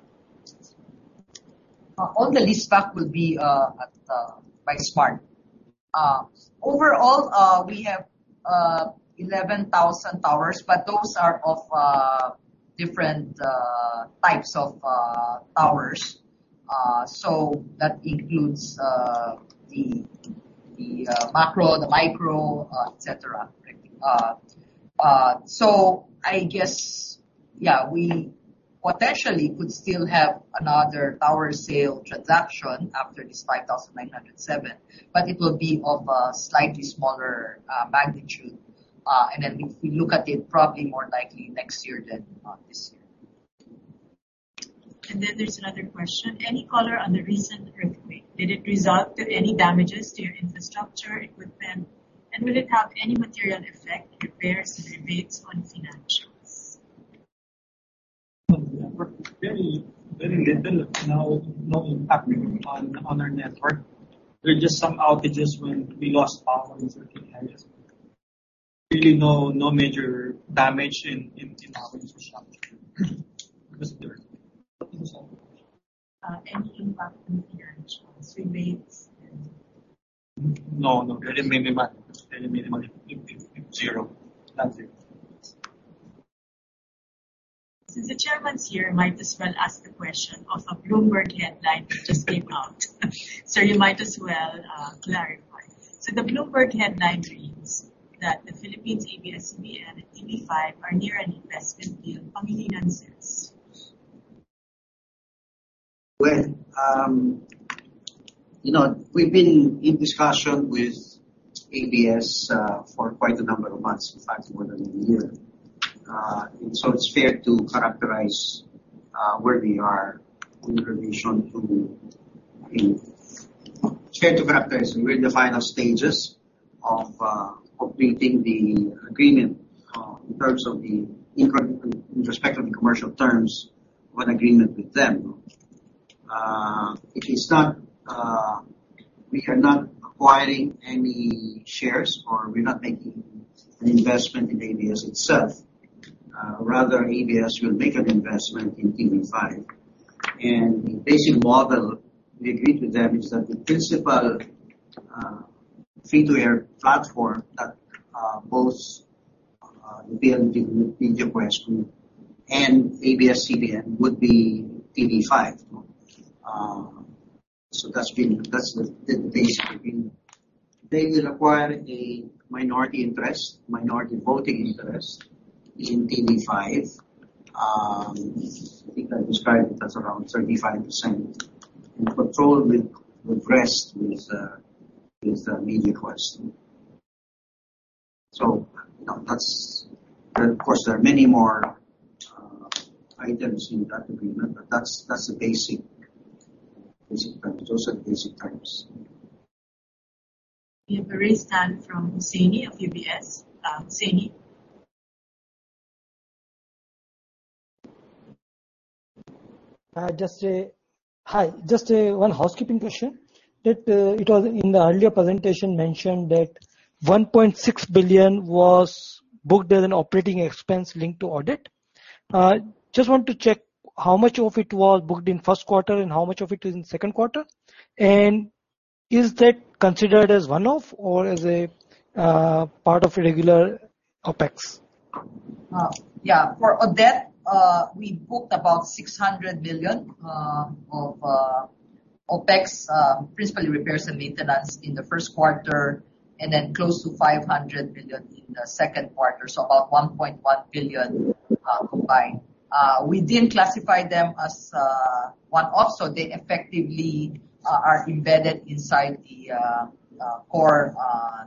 All the leased back will be by Smart. Overall, we have 11,000 towers, but those are of different types of towers. That includes the macro, the micro, et cetera. I guess, yeah, we potentially could still have another tower sale transaction after this 5,907, but it will be of a slightly smaller magnitude. If we look at it, probably more likely next year than this year. There's another question. Any color on the recent earthquake? Did it result to any damages to your infrastructure equipment, and will it have any material effect, repairs, and rebates on financials? There were very little. No impact on our network. There were just some outages when we lost power in certain areas. Really no major damage in our infrastructure because of the earthquake. Any impact on financials, rebates, and? No, no. Very minimal. Very minimal. Zero. Nothing. Since the chairman's here, might as well ask the question of a Bloomberg headline that just came out. Sir, you might as well clarify. The Bloomberg headline reads that the Philippine ABS-CBN and TV5 are near an investment deal. How many answers? Well, you know, we've been in discussion with ABS-CBN for quite a number of months, in fact, more than a year. It's fair to characterize we're in the final stages of completing the agreement in respect of the commercial terms of an agreement with them. It is not. We are not acquiring any shares, or we're not making an investment in ABS-CBN itself. Rather ABS-CBN will make an investment in TV5. The basic model we agreed with them is that the principal free to air platform that both PLDT and MediaQuest and ABS-CBN would be TV5. That's the basic agreement. They will acquire a minority voting interest in TV5. I think I described it as around 35%. Control will rest with MediaQuest. Of course, there are many more items in that agreement, but that's the basic terms. Those are the basic terms. We have Sami from UBS. Hi. Just a one housekeeping question that it was in the earlier presentation mentioned that 1.6 billion was booked as an operating expense linked to audit. Just want to check how much of it was booked in first quarter and how much of it is in second quarter. Is that considered as one-off or as a part of your regular OpEx? Yeah. For Odette, we booked about 600 million of OpEx, principally repairs and maintenance in the first quarter, and then close to 500 million in the second quarter, so about 1.1 billion combined. We didn't classify them as one-off, so they effectively are embedded inside the core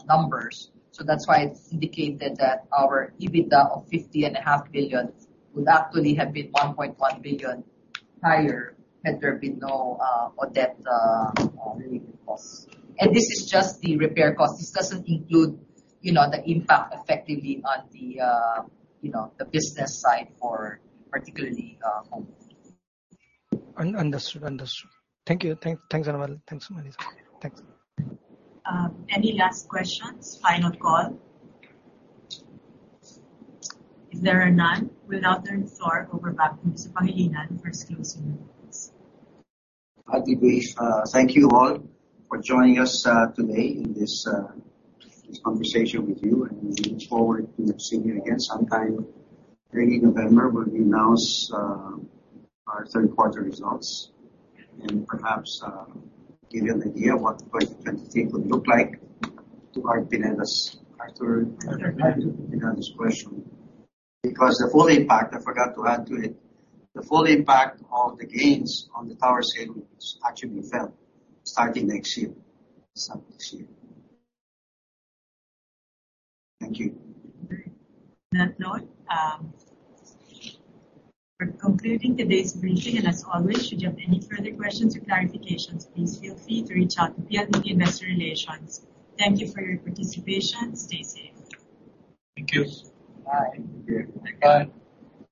numbers. That's why it's indicated that our EBITDA of 50.5 billion would actually have been 1.1 billion higher had there been no Odette related costs. This is just the repair cost. This doesn't include, you know, the impact effectively on the, you know, the business side for particularly home. Understood. Thank you. Thanks a lot. Thanks so much. Thanks. Any last questions? Final call. If there are none, we now turn the floor over back to Mr. Pangilinan for his closing remarks. Hi, DB. Thank you all for joining us today in this conversation with you, and we look forward to seeing you again sometime early November when we announce our third quarter results and perhaps give you an idea what 2023 would look like to our benefits after. Understood Answer this question. The full impact, I forgot to add to it, the full impact of the gains on the tower sale will actually be felt starting next year. Sometime next year. Thank you. On that note, we're concluding today's briefing. As always, should you have any further questions or clarifications, please feel free to reach out to PLDT Investor Relations. Thank you for your participation. Stay safe. Thank you. Bye. Thank you. Bye.